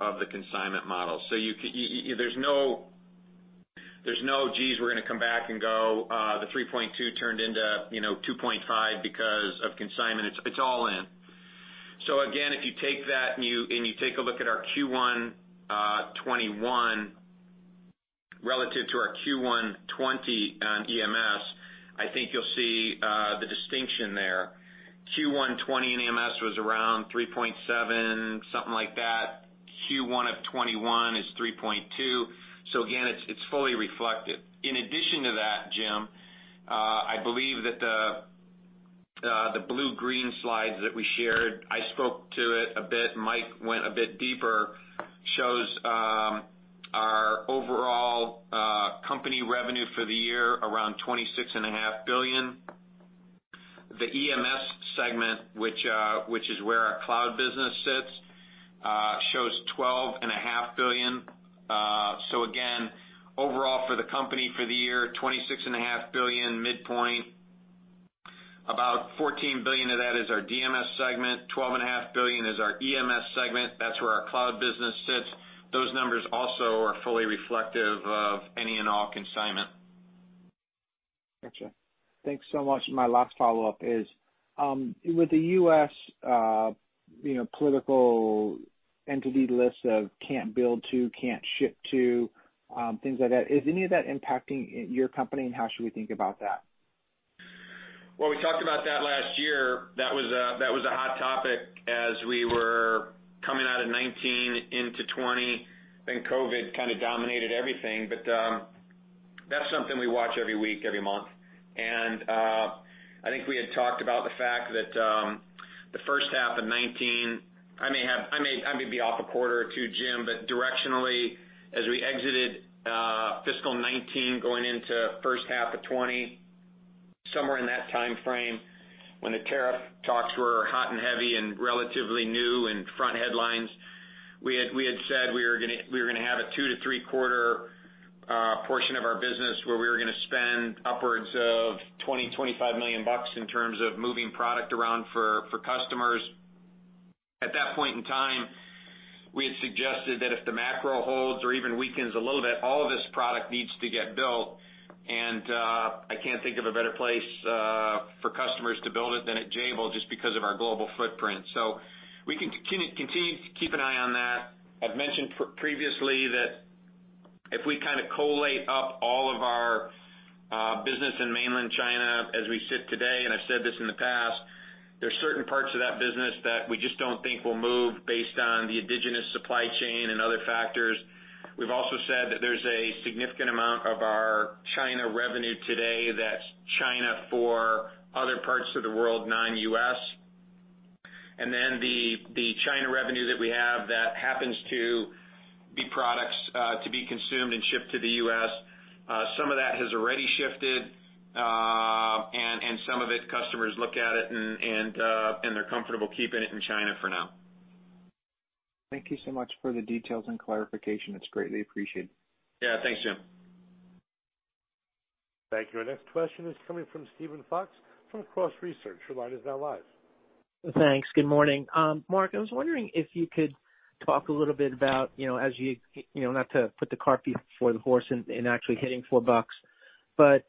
of the consignment model. So there's no geez, we're going to come back and go, the $3.2 turned into $2.5 because of consignment. It's all in. So again, if you take that and you take a look at our Q1 2021 relative to our Q1 2020 on EMS, I think you'll see the distinction there. Q1 2020 in EMS was around $3.7, something like that. Q1 of 2021 is $3.2. So again, it's fully reflected. In addition to that, Jim, I believe that the blue-green slides that we shared, I spoke to it a bit. Mike went a bit deeper, shows our overall company revenue for the year around $26.5 billion. The EMS segment, which is where our Cloud business sits, shows $12.5 billion. So again, overall for the company for the year, $26.5 billion, midpoint. About $14 billion of that is our DMS segment. $12.5 billion is our EMS segment. That's where our Cloud business sits. Those numbers also are fully reflective of any and all consignment. Gotcha. Thanks so much. My last follow-up is, with the U.S. political entity list of can't build to, can't ship to, things like that, is any of that impacting your company? And how should we think about that? Well, we talked about that last year. That was a hot topic as we were coming out of 2019 into 2020. I think COVID kind of dominated everything. But that's something we watch every week, every month. And I think we had talked about the fact that the first half of 2019, I may be off a quarter or two, Jim, but directionally, as we exited fiscal 2019 going into first half of 2020, somewhere in that timeframe when the tariff talks were hot and heavy and relatively new and front headlines, we had said we were going to have a two- to three-quarter portion of our business where we were going to spend upwards of $20 million-$25 million in terms of moving product around for customers. At that point in time, we had suggested that if the macro holds or even weakens a little bit, all of this product needs to get built, and I can't think of a better place for customers to build it than at Jabil just because of our global footprint, so we can continue to keep an eye on that. I've mentioned previously that if we kind of collate up all of our business in mainland China as we sit today, and I've said this in the past, there are certain parts of that business that we just don't think will move based on the indigenous supply chain and other factors. We've also said that there's a significant amount of our China revenue today that's China for other parts of the world, non-U.S. And then the China revenue that we have that happens to be products to be consumed and shipped to the U.S., some of that has already shifted. And some of it, customers look at it, and they're comfortable keeping it in China for now. Thank you so much for the details and clarification. It's greatly appreciated. Yeah. Thanks, Jim. Thank you. Our next question is coming from Steven Fox from Cross Research. Your line is now live. Thanks. Good morning. Mark, I was wondering if you could talk a little bit about, as you not to put the cart before the horse and actually hitting $4, but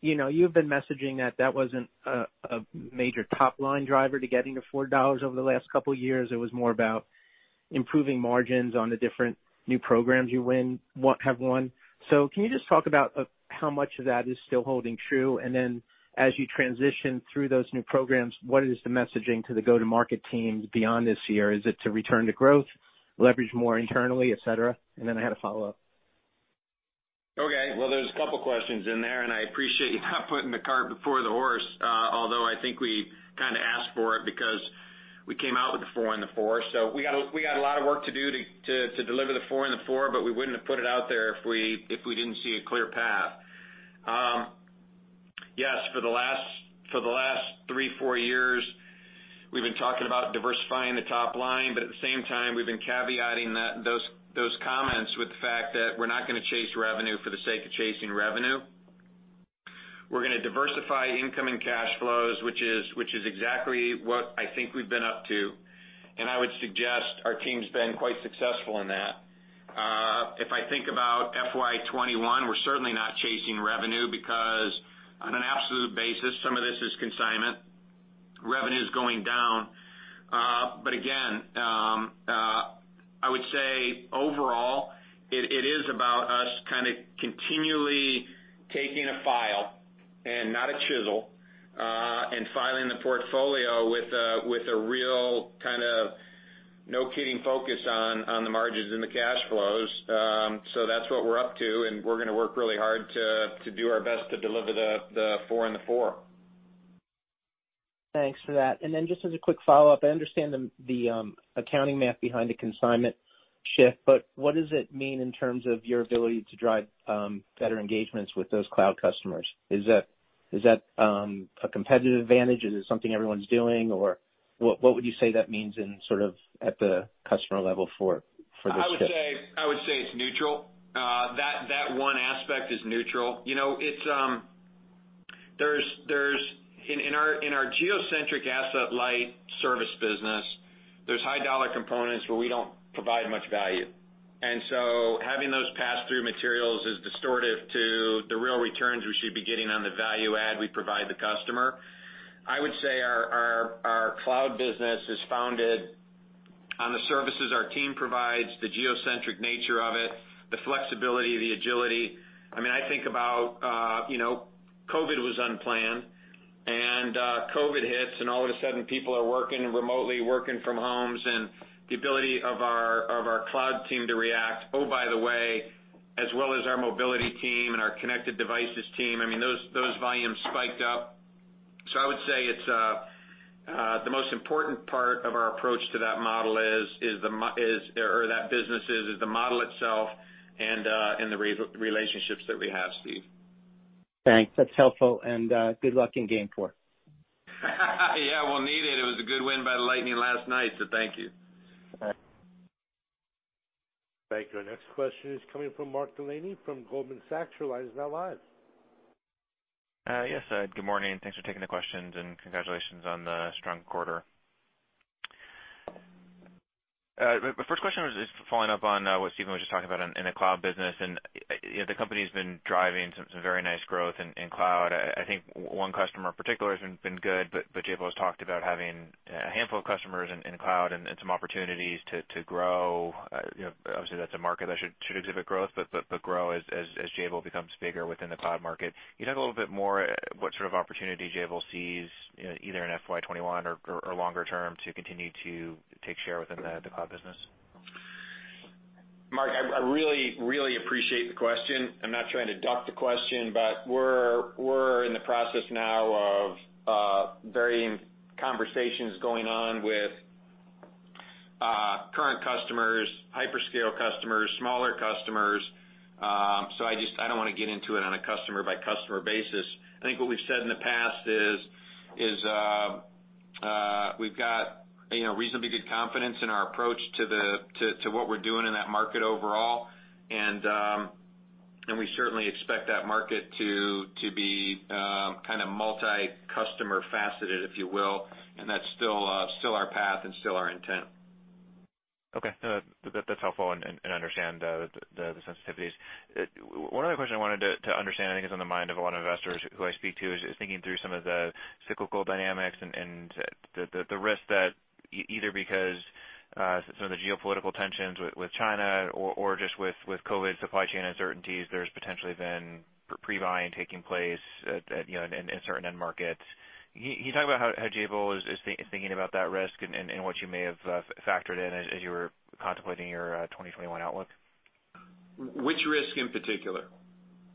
you've been messaging that that wasn't a major top-line driver to getting to $4 over the last couple of years. It was more about improving margins on the different new programs you have won. So can you just talk about how much of that is still holding true? And then as you transition through those new programs, what is the messaging to the go-to-market teams beyond this year? Is it to return to growth, leverage more internally, etc.? And then I had a follow-up. Okay. Well, there's a couple of questions in there, and I appreciate you not putting the cart before the horse, although I think we kind of asked for it because we came out with the four and the four. So we got a lot of work to do to deliver the four and the four, but we wouldn't have put it out there if we didn't see a clear path. Yes, for the last three, four years, we've been talking about diversifying the top line, but at the same time, we've been caveating those comments with the fact that we're not going to chase revenue for the sake of chasing revenue. We're going to diversify income and cash flows, which is exactly what I think we've been up to, and I would suggest our team's been quite successful in that. If I think about FY 2021, we're certainly not chasing revenue because on an absolute basis, some of this is consignment. Revenue is going down, but again, I would say overall, it is about us kind of continually taking a file and not a chisel and filing the portfolio with a real kind of no-kidding focus on the margins and the cash flows. So that's what we're up to, and we're going to work really hard to do our best to deliver the four and the four. Thanks for that. And then just as a quick follow-up, I understand the accounting math behind the consignment shift, but what does it mean in terms of your ability to drive better engagements with those Cloud customers? Is that a competitive advantage? Is it something everyone's doing? Or what would you say that means sort of at the customer level for this shift? I would say it's neutral. That one aspect is neutral. In our geo-centric asset-light service business, there's high-dollar components where we don't provide much value. And so having those pass-through materials is distorted to the real returns we should be getting on the value-add we provide the customer. I would say our Cloud business is founded on the services our team provides, the geo-centric nature of it, the flexibility, the agility. I mean, I think about COVID was unplanned, and COVID hits, and all of a sudden, people are working remotely, working from homes, and the ability of our Cloud team to react, oh, by the way, as well as our Mobility team and our Connected Devices team, I mean, those volumes spiked up, so I would say the most important part of our approach to that model is, or that business is, is the model itself and the relationships that we have, Steve. Thanks. That's helpful and good luck in Game 4. Yeah. We'll need it. It was a good win by the Lightning last night, so thank you. All right. Thank you. Our next question is coming from Mark Delaney from Goldman Sachs. Your line is now live. Yes, good morning. Thanks for taking the questions and congratulations on the strong quarter. My first question is following up on what Steven was just talking about in the Cloud business, and the company has been driving some very nice growth in Cloud. I think one customer in particular has been good, but Jabil has talked about having a handful of customers in Cloud and some opportunities to grow. Obviously, that's a market that should exhibit growth, but grow as Jabil becomes bigger within the Cloud market. Can you talk a little bit more about what sort of opportunity Jabil sees, either in FY 2021 or longer term, to continue to take share within the Cloud business? Mark, I really, really appreciate the question. I'm not trying to duck the question, but we're in the process now of varying conversations going on with current customers, hyperscale customers, smaller customers. So I don't want to get into it on a customer-by-customer basis. I think what we've said in the past is we've got reasonably good confidence in our approach to what we're doing in that market overall. And we certainly expect that market to be kind of multi-customer faceted, if you will. And that's still our path and still our intent. Okay. That's helpful and understand the sensitivities. One other question I wanted to understand, I think it's on the mind of a lot of investors who I speak to, is thinking through some of the cyclical dynamics and the risk that either because some of the geopolitical tensions with China or just with COVID supply chain uncertainties, there's potentially been pre-buying taking place in certain end markets. Can you talk about how Jabil is thinking about that risk and what you may have factored in as you were contemplating your 2021 outlook? Which risk in particular?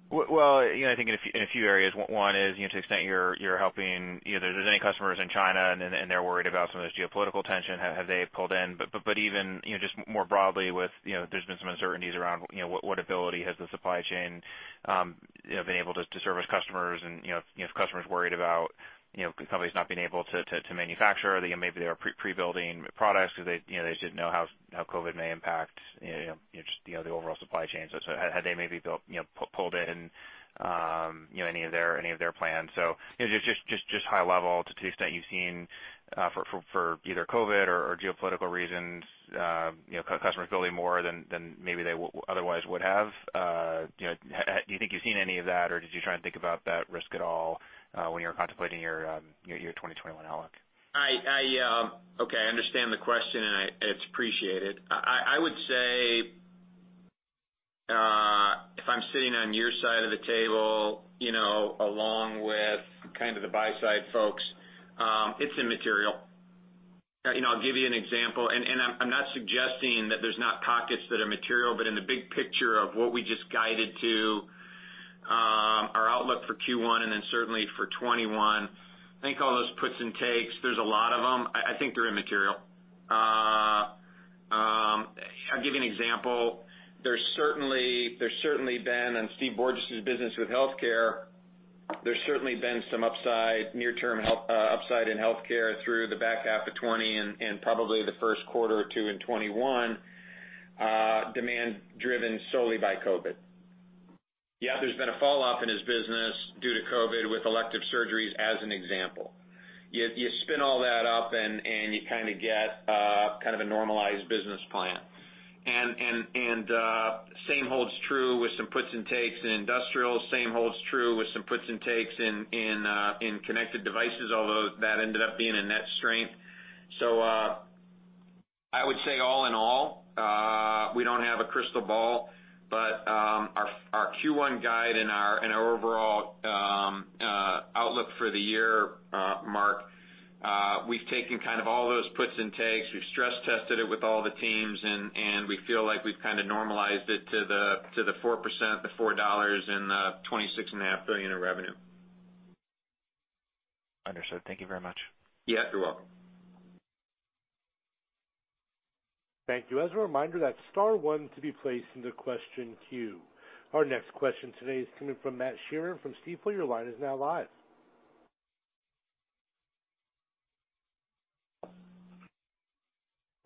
Well, I think in a few areas. One is to the extent you're helping if there's any customers in China and they're worried about some of this geopolitical tension, have they pulled in? But even just more broadly, there's been some uncertainties around what ability has the supply chain been able to service customers? And if customers are worried about companies not being able to manufacture, maybe they are pre-building products because they didn't know how COVID may impact the overall supply chain. So had they maybe pulled in any of their plans? So just high level to the extent you've seen for either COVID or geopolitical reasons, customers building more than maybe they otherwise would have. Do you think you've seen any of that, or did you try and think about that risk at all when you were contemplating your 2021 outlook? Okay. I understand the question, and it's appreciated. I would say if I'm sitting on your side of the table along with kind of the buy-side folks, it's immaterial. I'll give you an example. And I'm not suggesting that there's not pockets that are material, but in the big picture of what we just guided to our outlook for Q1 and then certainly for 2021, I think all those puts and takes. There's a lot of them. I think they're immaterial. I'll give you an example. There's certainly been, and Steve Borges's business with Healthcare, there's certainly been some near-term upside in Healthcare through the back half of 2020 and probably the first quarter or two in 2021, demand driven solely by COVID. Yeah, there's been a falloff in his business due to COVID with elective surgeries as an example. You spin all that up, and you kind of get kind of a normalized business plan. And same holds true with some puts and takes in Industrial. Same holds true with some puts and takes in Connected Devices, although that ended up being a net strength. So I would say all in all, we don't have a crystal ball, but our Q1 guide and our overall outlook for the year, Mark, we've taken kind of all those puts and takes. We've stress-tested it with all the teams, and we feel like we've kind of normalized it to the 4%, the $4, and the $26.5 billion of revenue. Understood. Thank you very much. Yeah. You're welcome. Thank you. As a reminder, that's star one to be placed in the question queue. Our next question today is coming from Matt Sheerin from Stifel. Your line is now live.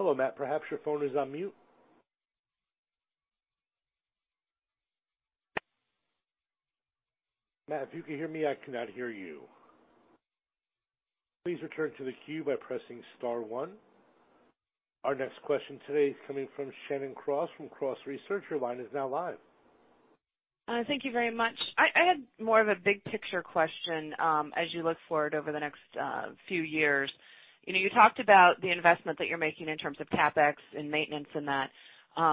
Hello, Matt. Perhaps your phone is on mute. Matt, if you can hear me, I cannot hear you. Please return to the queue by pressing star one. Our next question today is coming from Shannon Cross from Cross Research. Your line is now live. Thank you very much. I had more of a big-picture question as you look forward over the next few years. You talked about the investment that you're making in terms of CapEx and maintenance and that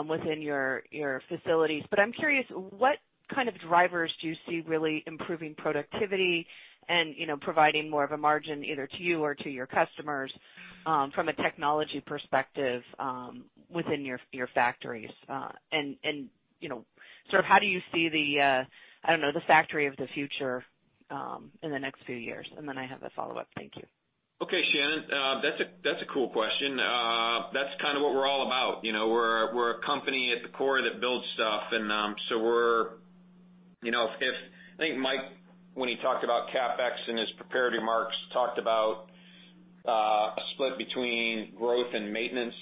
within your facilities. But I'm curious, what kind of drivers do you see really improving productivity and providing more of a margin either to you or to your customers from a technology perspective within your factories? And sort of how do you see the, I don't know, the factory of the future in the next few years? And then I have a follow-up. Thank you. Okay, Shannon. That's a cool question. That's kind of what we're all about. We're a company at the core that builds stuff. And so, if I think, Mike, when he talked about CapEx in his preparatory remarks, talked about a split between growth and maintenance.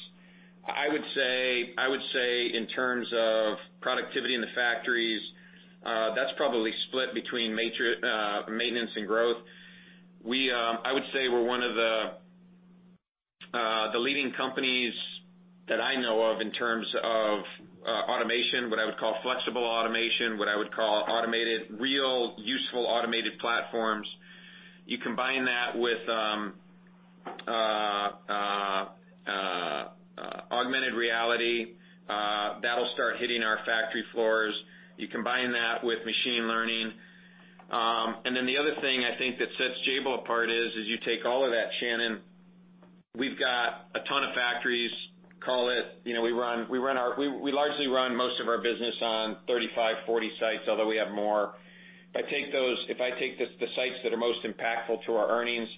I would say in terms of productivity in the factories, that's probably split between maintenance and growth. I would say we're one of the leading companies that I know of in terms of automation, what I would call flexible automation, what I would call automated, really useful automated platforms. You combine that with augmented reality. That'll start hitting our factory floors. You combine that with machine learning, and then the other thing I think that sets Jabil apart is you take all of that, Shannon. We've got a ton of factories. Call it, we largely run most of our business on 35-40 sites, although we have more. If I take the sites that are most impactful to our earnings,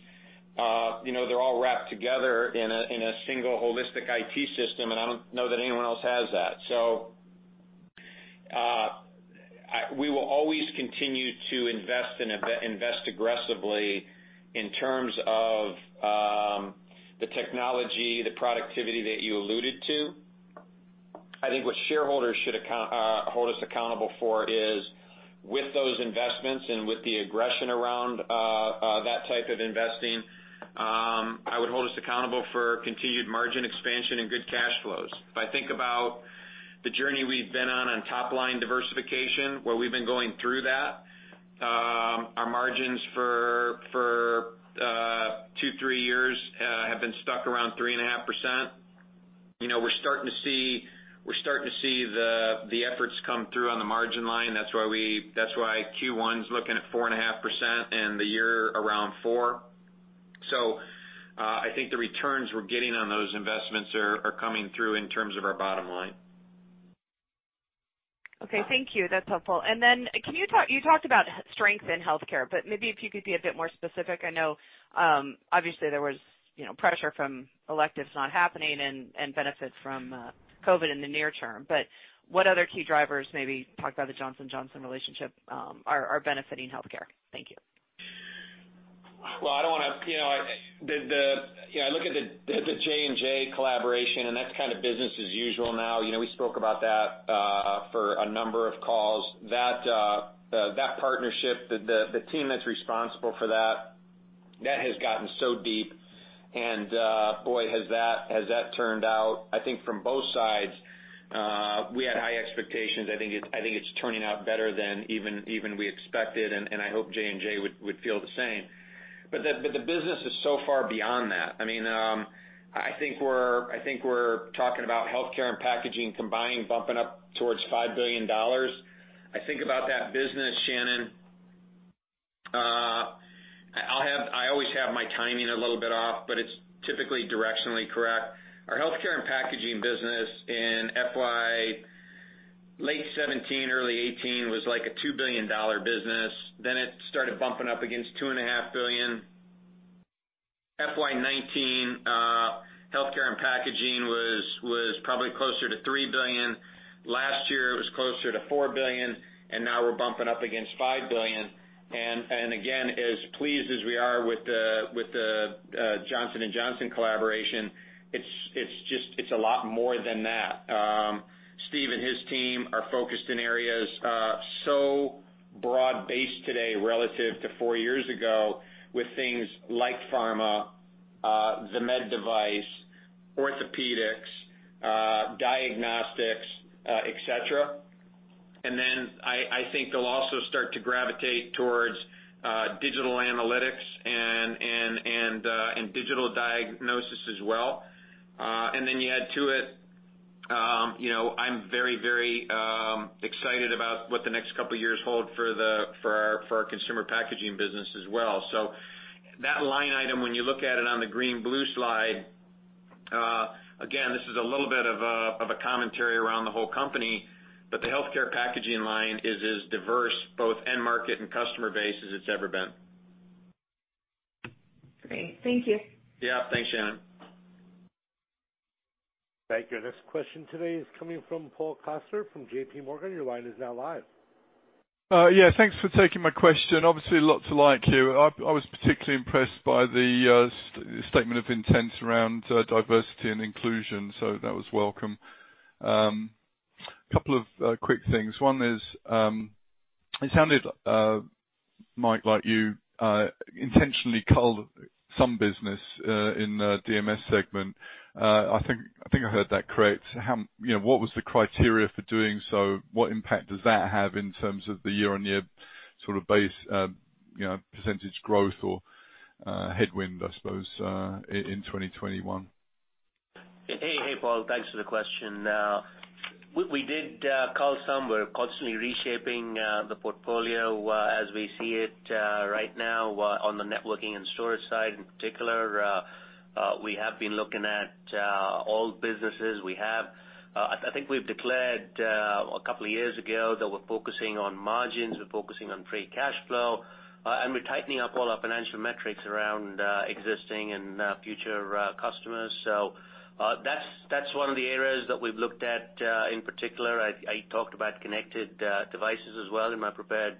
they're all wrapped together in a single holistic IT system, and I don't know that anyone else has that. So we will always continue to invest aggressively in terms of the technology, the productivity that you alluded to. I think what shareholders should hold us accountable for is with those investments and with the aggression around that type of investing, I would hold us accountable for continued margin expansion and good cash flows. If I think about the journey we've been on on top-line diversification, where we've been going through that, our margins for two, three years have been stuck around 3.5%. We're starting to see the efforts come through on the margin line. That's why Q1's looking at 4.5% and the year around 4%. So I think the returns we're getting on those investments are coming through in terms of our bottom line. Okay. Thank you. That's helpful. And then you talked about strength in Healthcare, but maybe if you could be a bit more specific. I know, obviously, there was pressure from electives not happening and benefits from COVID in the near term. But what other key drivers, maybe talk about the Johnson & Johnson relationship, are benefiting Healthcare? Thank you. Well, I don't want to. I look at the J&J collaboration, and that's kind of business as usual now. We spoke about that for a number of calls. That partnership, the team that's responsible for that, that has gotten so deep. And boy, has that turned out, I think, from both sides. We had high expectations. I think it's turning out better than even we expected, and I hope J&J would feel the same. But the business is so far beyond that. I mean, I think we're talking about Healthcare and Packaging combined bumping up towards $5 billion. I think about that business, Shannon. I always have my timing a little bit off, but it's typically directionally correct. Our Healthcare and Packaging business in FY late 2017, early 2018 was like a $2 billion business. Then it started bumping up against $2.5 billion. FY 2019, Healthcare and Packaging was probably closer to $3 billion. Last year, it was closer to $4 billion, and now we're bumping up against $5 billion. And again, as pleased as we are with the Johnson & Johnson collaboration, it's a lot more than that. Steve and his team are focused in areas so broad-based today relative to four years ago with things like pharma, the med device, orthopedics, diagnostics, etc., and then I think they'll also start to gravitate towards digital analytics and digital diagnosis as well, and then you add to it. I'm very, very excited about what the next couple of years hold for our consumer packaging business as well, so that line item, when you look at it on the green-blue slide, again, this is a little bit of a commentary around the whole company, but the Healthcare Packaging line is as diverse both end market and customer base as it's ever been. Great. Thank you. Yeah. Thanks, Shannon. Thank you. Next question today is coming from Paul Coster from JPMorgan. Your line is now live. Yeah. Thanks for taking my question. Obviously, lots to like here. I was particularly impressed by the statement of intent around diversity and inclusion. So that was welcome. A couple of quick things. One is, it sounded, Mike, like you intentionally culled some business in the DMS segment. I think I heard that correct. What was the criteria for doing so? What impact does that have in terms of the year-on-year sort of base percentage growth or headwind, I suppose, in 2021? Hey, Paul. Thanks for the question. We did culled some. We're constantly reshaping the portfolio as we see it right now on the Networking and Storage side in particular. We have been looking at all businesses. I think we've declared a couple of years ago that we're focusing on margins. We're focusing on free cash flow. And we're tightening up all our financial metrics around existing and future customers. So that's one of the areas that we've looked at in particular. I talked about Connected Devices as well in my prepared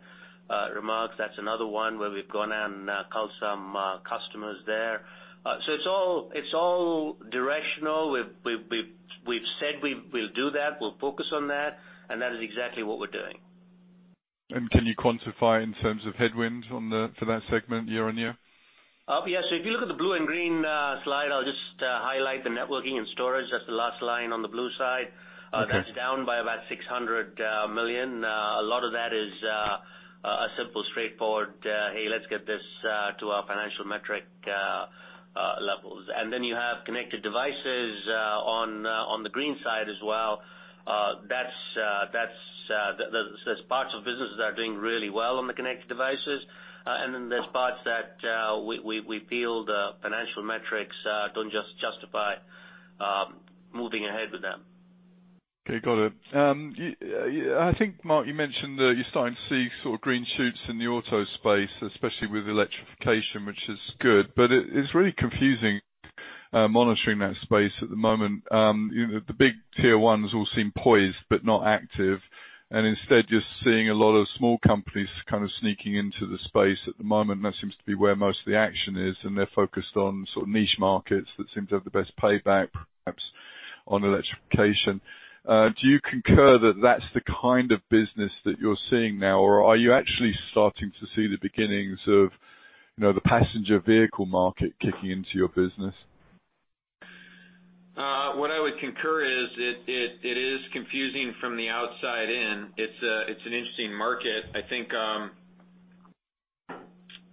remarks. That's another one where we've gone out and culled some customers there. So it's all directional. We've said we will do that. We'll focus on that. And that is exactly what we're doing. And can you quantify in terms of headwinds for that segment year-on-year? Yeah. So if you look at the blue and green slide, I'll just highlight the Networking and Storage. That's the last line on the blue side. That's down by about $600 million. A lot of that is a simple, straightforward, "Hey, let's get this to our financial metric levels." And then you have Connected Devices on the green side as well. There's parts of businesses that are doing really well on the Connected Devices. And then there's parts that we feel the financial metrics don't just justify moving ahead with them. Okay. Got it. I think, Mark, you mentioned that you're starting to see sort of green shoots in the auto space, especially with electrification, which is good, but it's really confusing, monitoring that space at the moment. The big Tier 1s all seem poised, but not active, and instead, you're seeing a lot of small companies kind of sneaking into the space at the moment, and that seems to be where most of the action is, and they're focused on sort of niche markets that seem to have the best payback, perhaps, on electrification. Do you concur that that's the kind of business that you're seeing now? Or are you actually starting to see the beginnings of the passenger vehicle market kicking into your business? What I would concur is it is confusing from the outside in. It's an interesting market.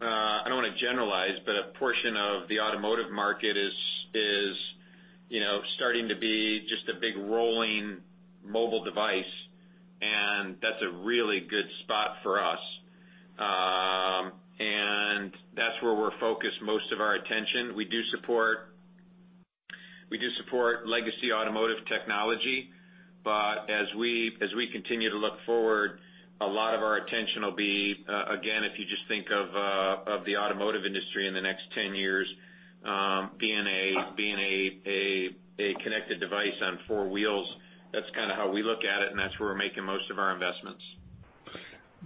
I don't want to generalize, but a portion of the automotive market is starting to be just a big rolling mobile device. And that's a really good spot for us. And that's where we're focused most of our attention. We do support legacy automotive technology. But as we continue to look forward, a lot of our attention will be, again, if you just think of the automotive industry in the next 10 years, being a connected device on four wheels. That's kind of how we look at it, and that's where we're making most of our investments.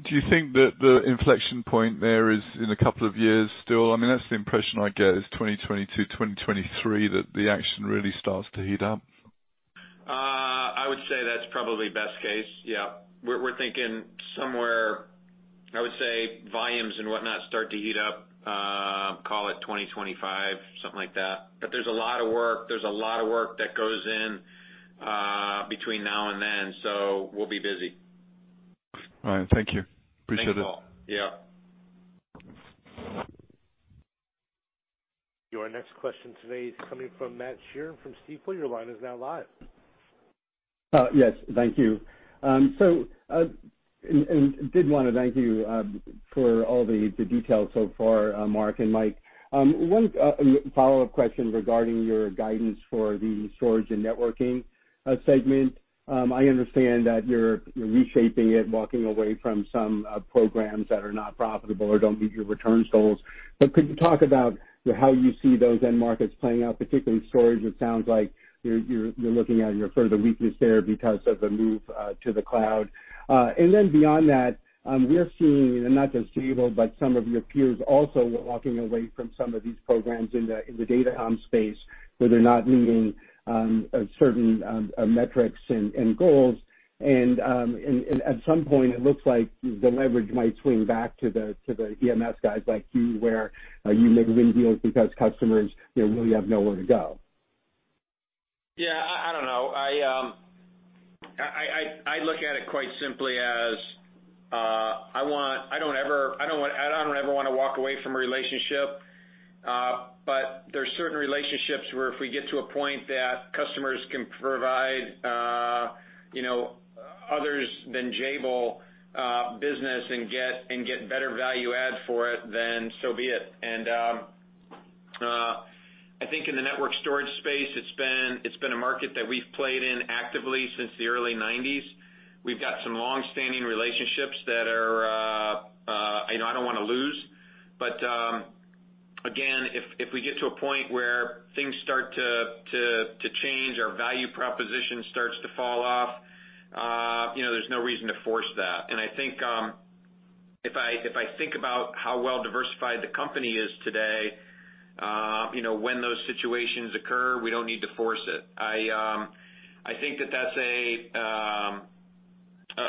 Do you think that the inflection point there is in a couple of years still? I mean, that's the impression I get, is 2022, 2023, that the action really starts to heat up. I would say that's probably best case. Yeah. We're thinking somewhere, I would say volumes and whatnot start to heat up, call it 2025, something like that. But there's a lot of work. There's a lot of work that goes in between now and then. So we'll be busy. All right. Thank you. Appreciate it. Thanks, Paul. Yeah. Your next question today is coming from Matt Sheerin from Stifel. Your line is now live. Yes. Thank you. And did want to thank you for all the details so far, Mark and Mike. One follow-up question regarding your guidance for the storage and networking segment. I understand that you're reshaping it, walking away from some programs that are not profitable or don't meet your returns goals. But could you talk about how you see those end markets playing out, particularly storage? It sounds like you're looking at your further weakness there because of the move to the cloud, and then beyond that, we're seeing not just Jabil, but some of your peers also walking away from some of these programs in the data space where they're not meeting certain metrics and goals, and at some point, it looks like the leverage might swing back to the EMS guys like you, where you may win deals because customers really have nowhere to go. Yeah. I don't know. I look at it quite simply as I don't ever want to walk away from a relationship, but there are certain relationships where if we get to a point that customers can provide other than Jabil business and get better value add for it, then so be it. And I think in the network storage space, it's been a market that we've played in actively since the early 1990s. We've got some long-standing relationships that I don't want to lose. But again, if we get to a point where things start to change, our value proposition starts to fall off, there's no reason to force that. And I think if I think about how well diversified the company is today, when those situations occur, we don't need to force it. I think that that's one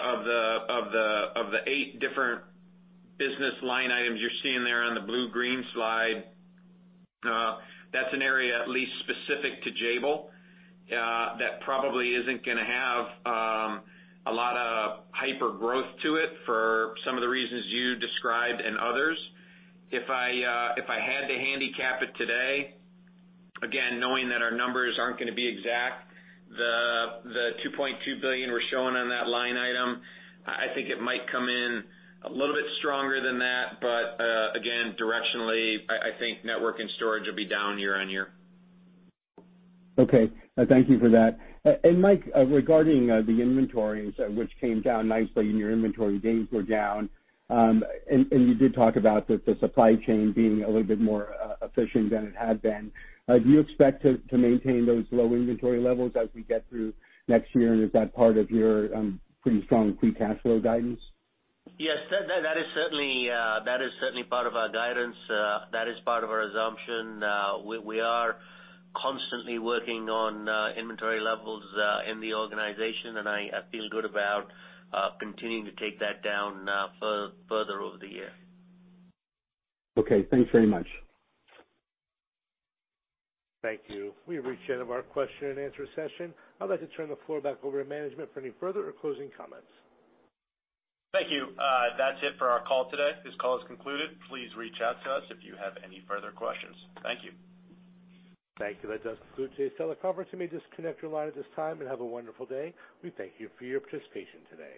of the eight different business line items you're seeing there on the blue-green slide. That's an area, at least specific to Jabil, that probably isn't going to have a lot of hyper-growth to it for some of the reasons you described and others. If I had to handicap it today, again, knowing that our numbers aren't going to be exact, the $2.2 billion we're showing on that line item, I think it might come in a little bit stronger than that, but again, directionally, I think Network and Storage will be down year-on-year. Okay. Thank you for that, and Mike, regarding the inventories, which came down nicely, and your inventory gains were down, and you did talk about the supply chain being a little bit more efficient than it had been. Do you expect to maintain those low inventory levels as we get through next year? And is that part of your pretty strong free cash flow guidance? Yes. That is certainly part of our guidance. That is part of our assumption. We are constantly working on inventory levels in the organization, and I feel good about continuing to take that down further over the year. Okay. Thanks very much. Thank you. We appreciate it. Our question and answer session. I'd like to turn the floor back over to management for any further or closing comments. Thank you. That's it for our call today. This call is concluded. Please reach out to us if you have any further questions. Thank you. Thank you. That does conclude today's teleconference. You may disconnect your line at this time and have a wonderful day. We thank you for your participation today.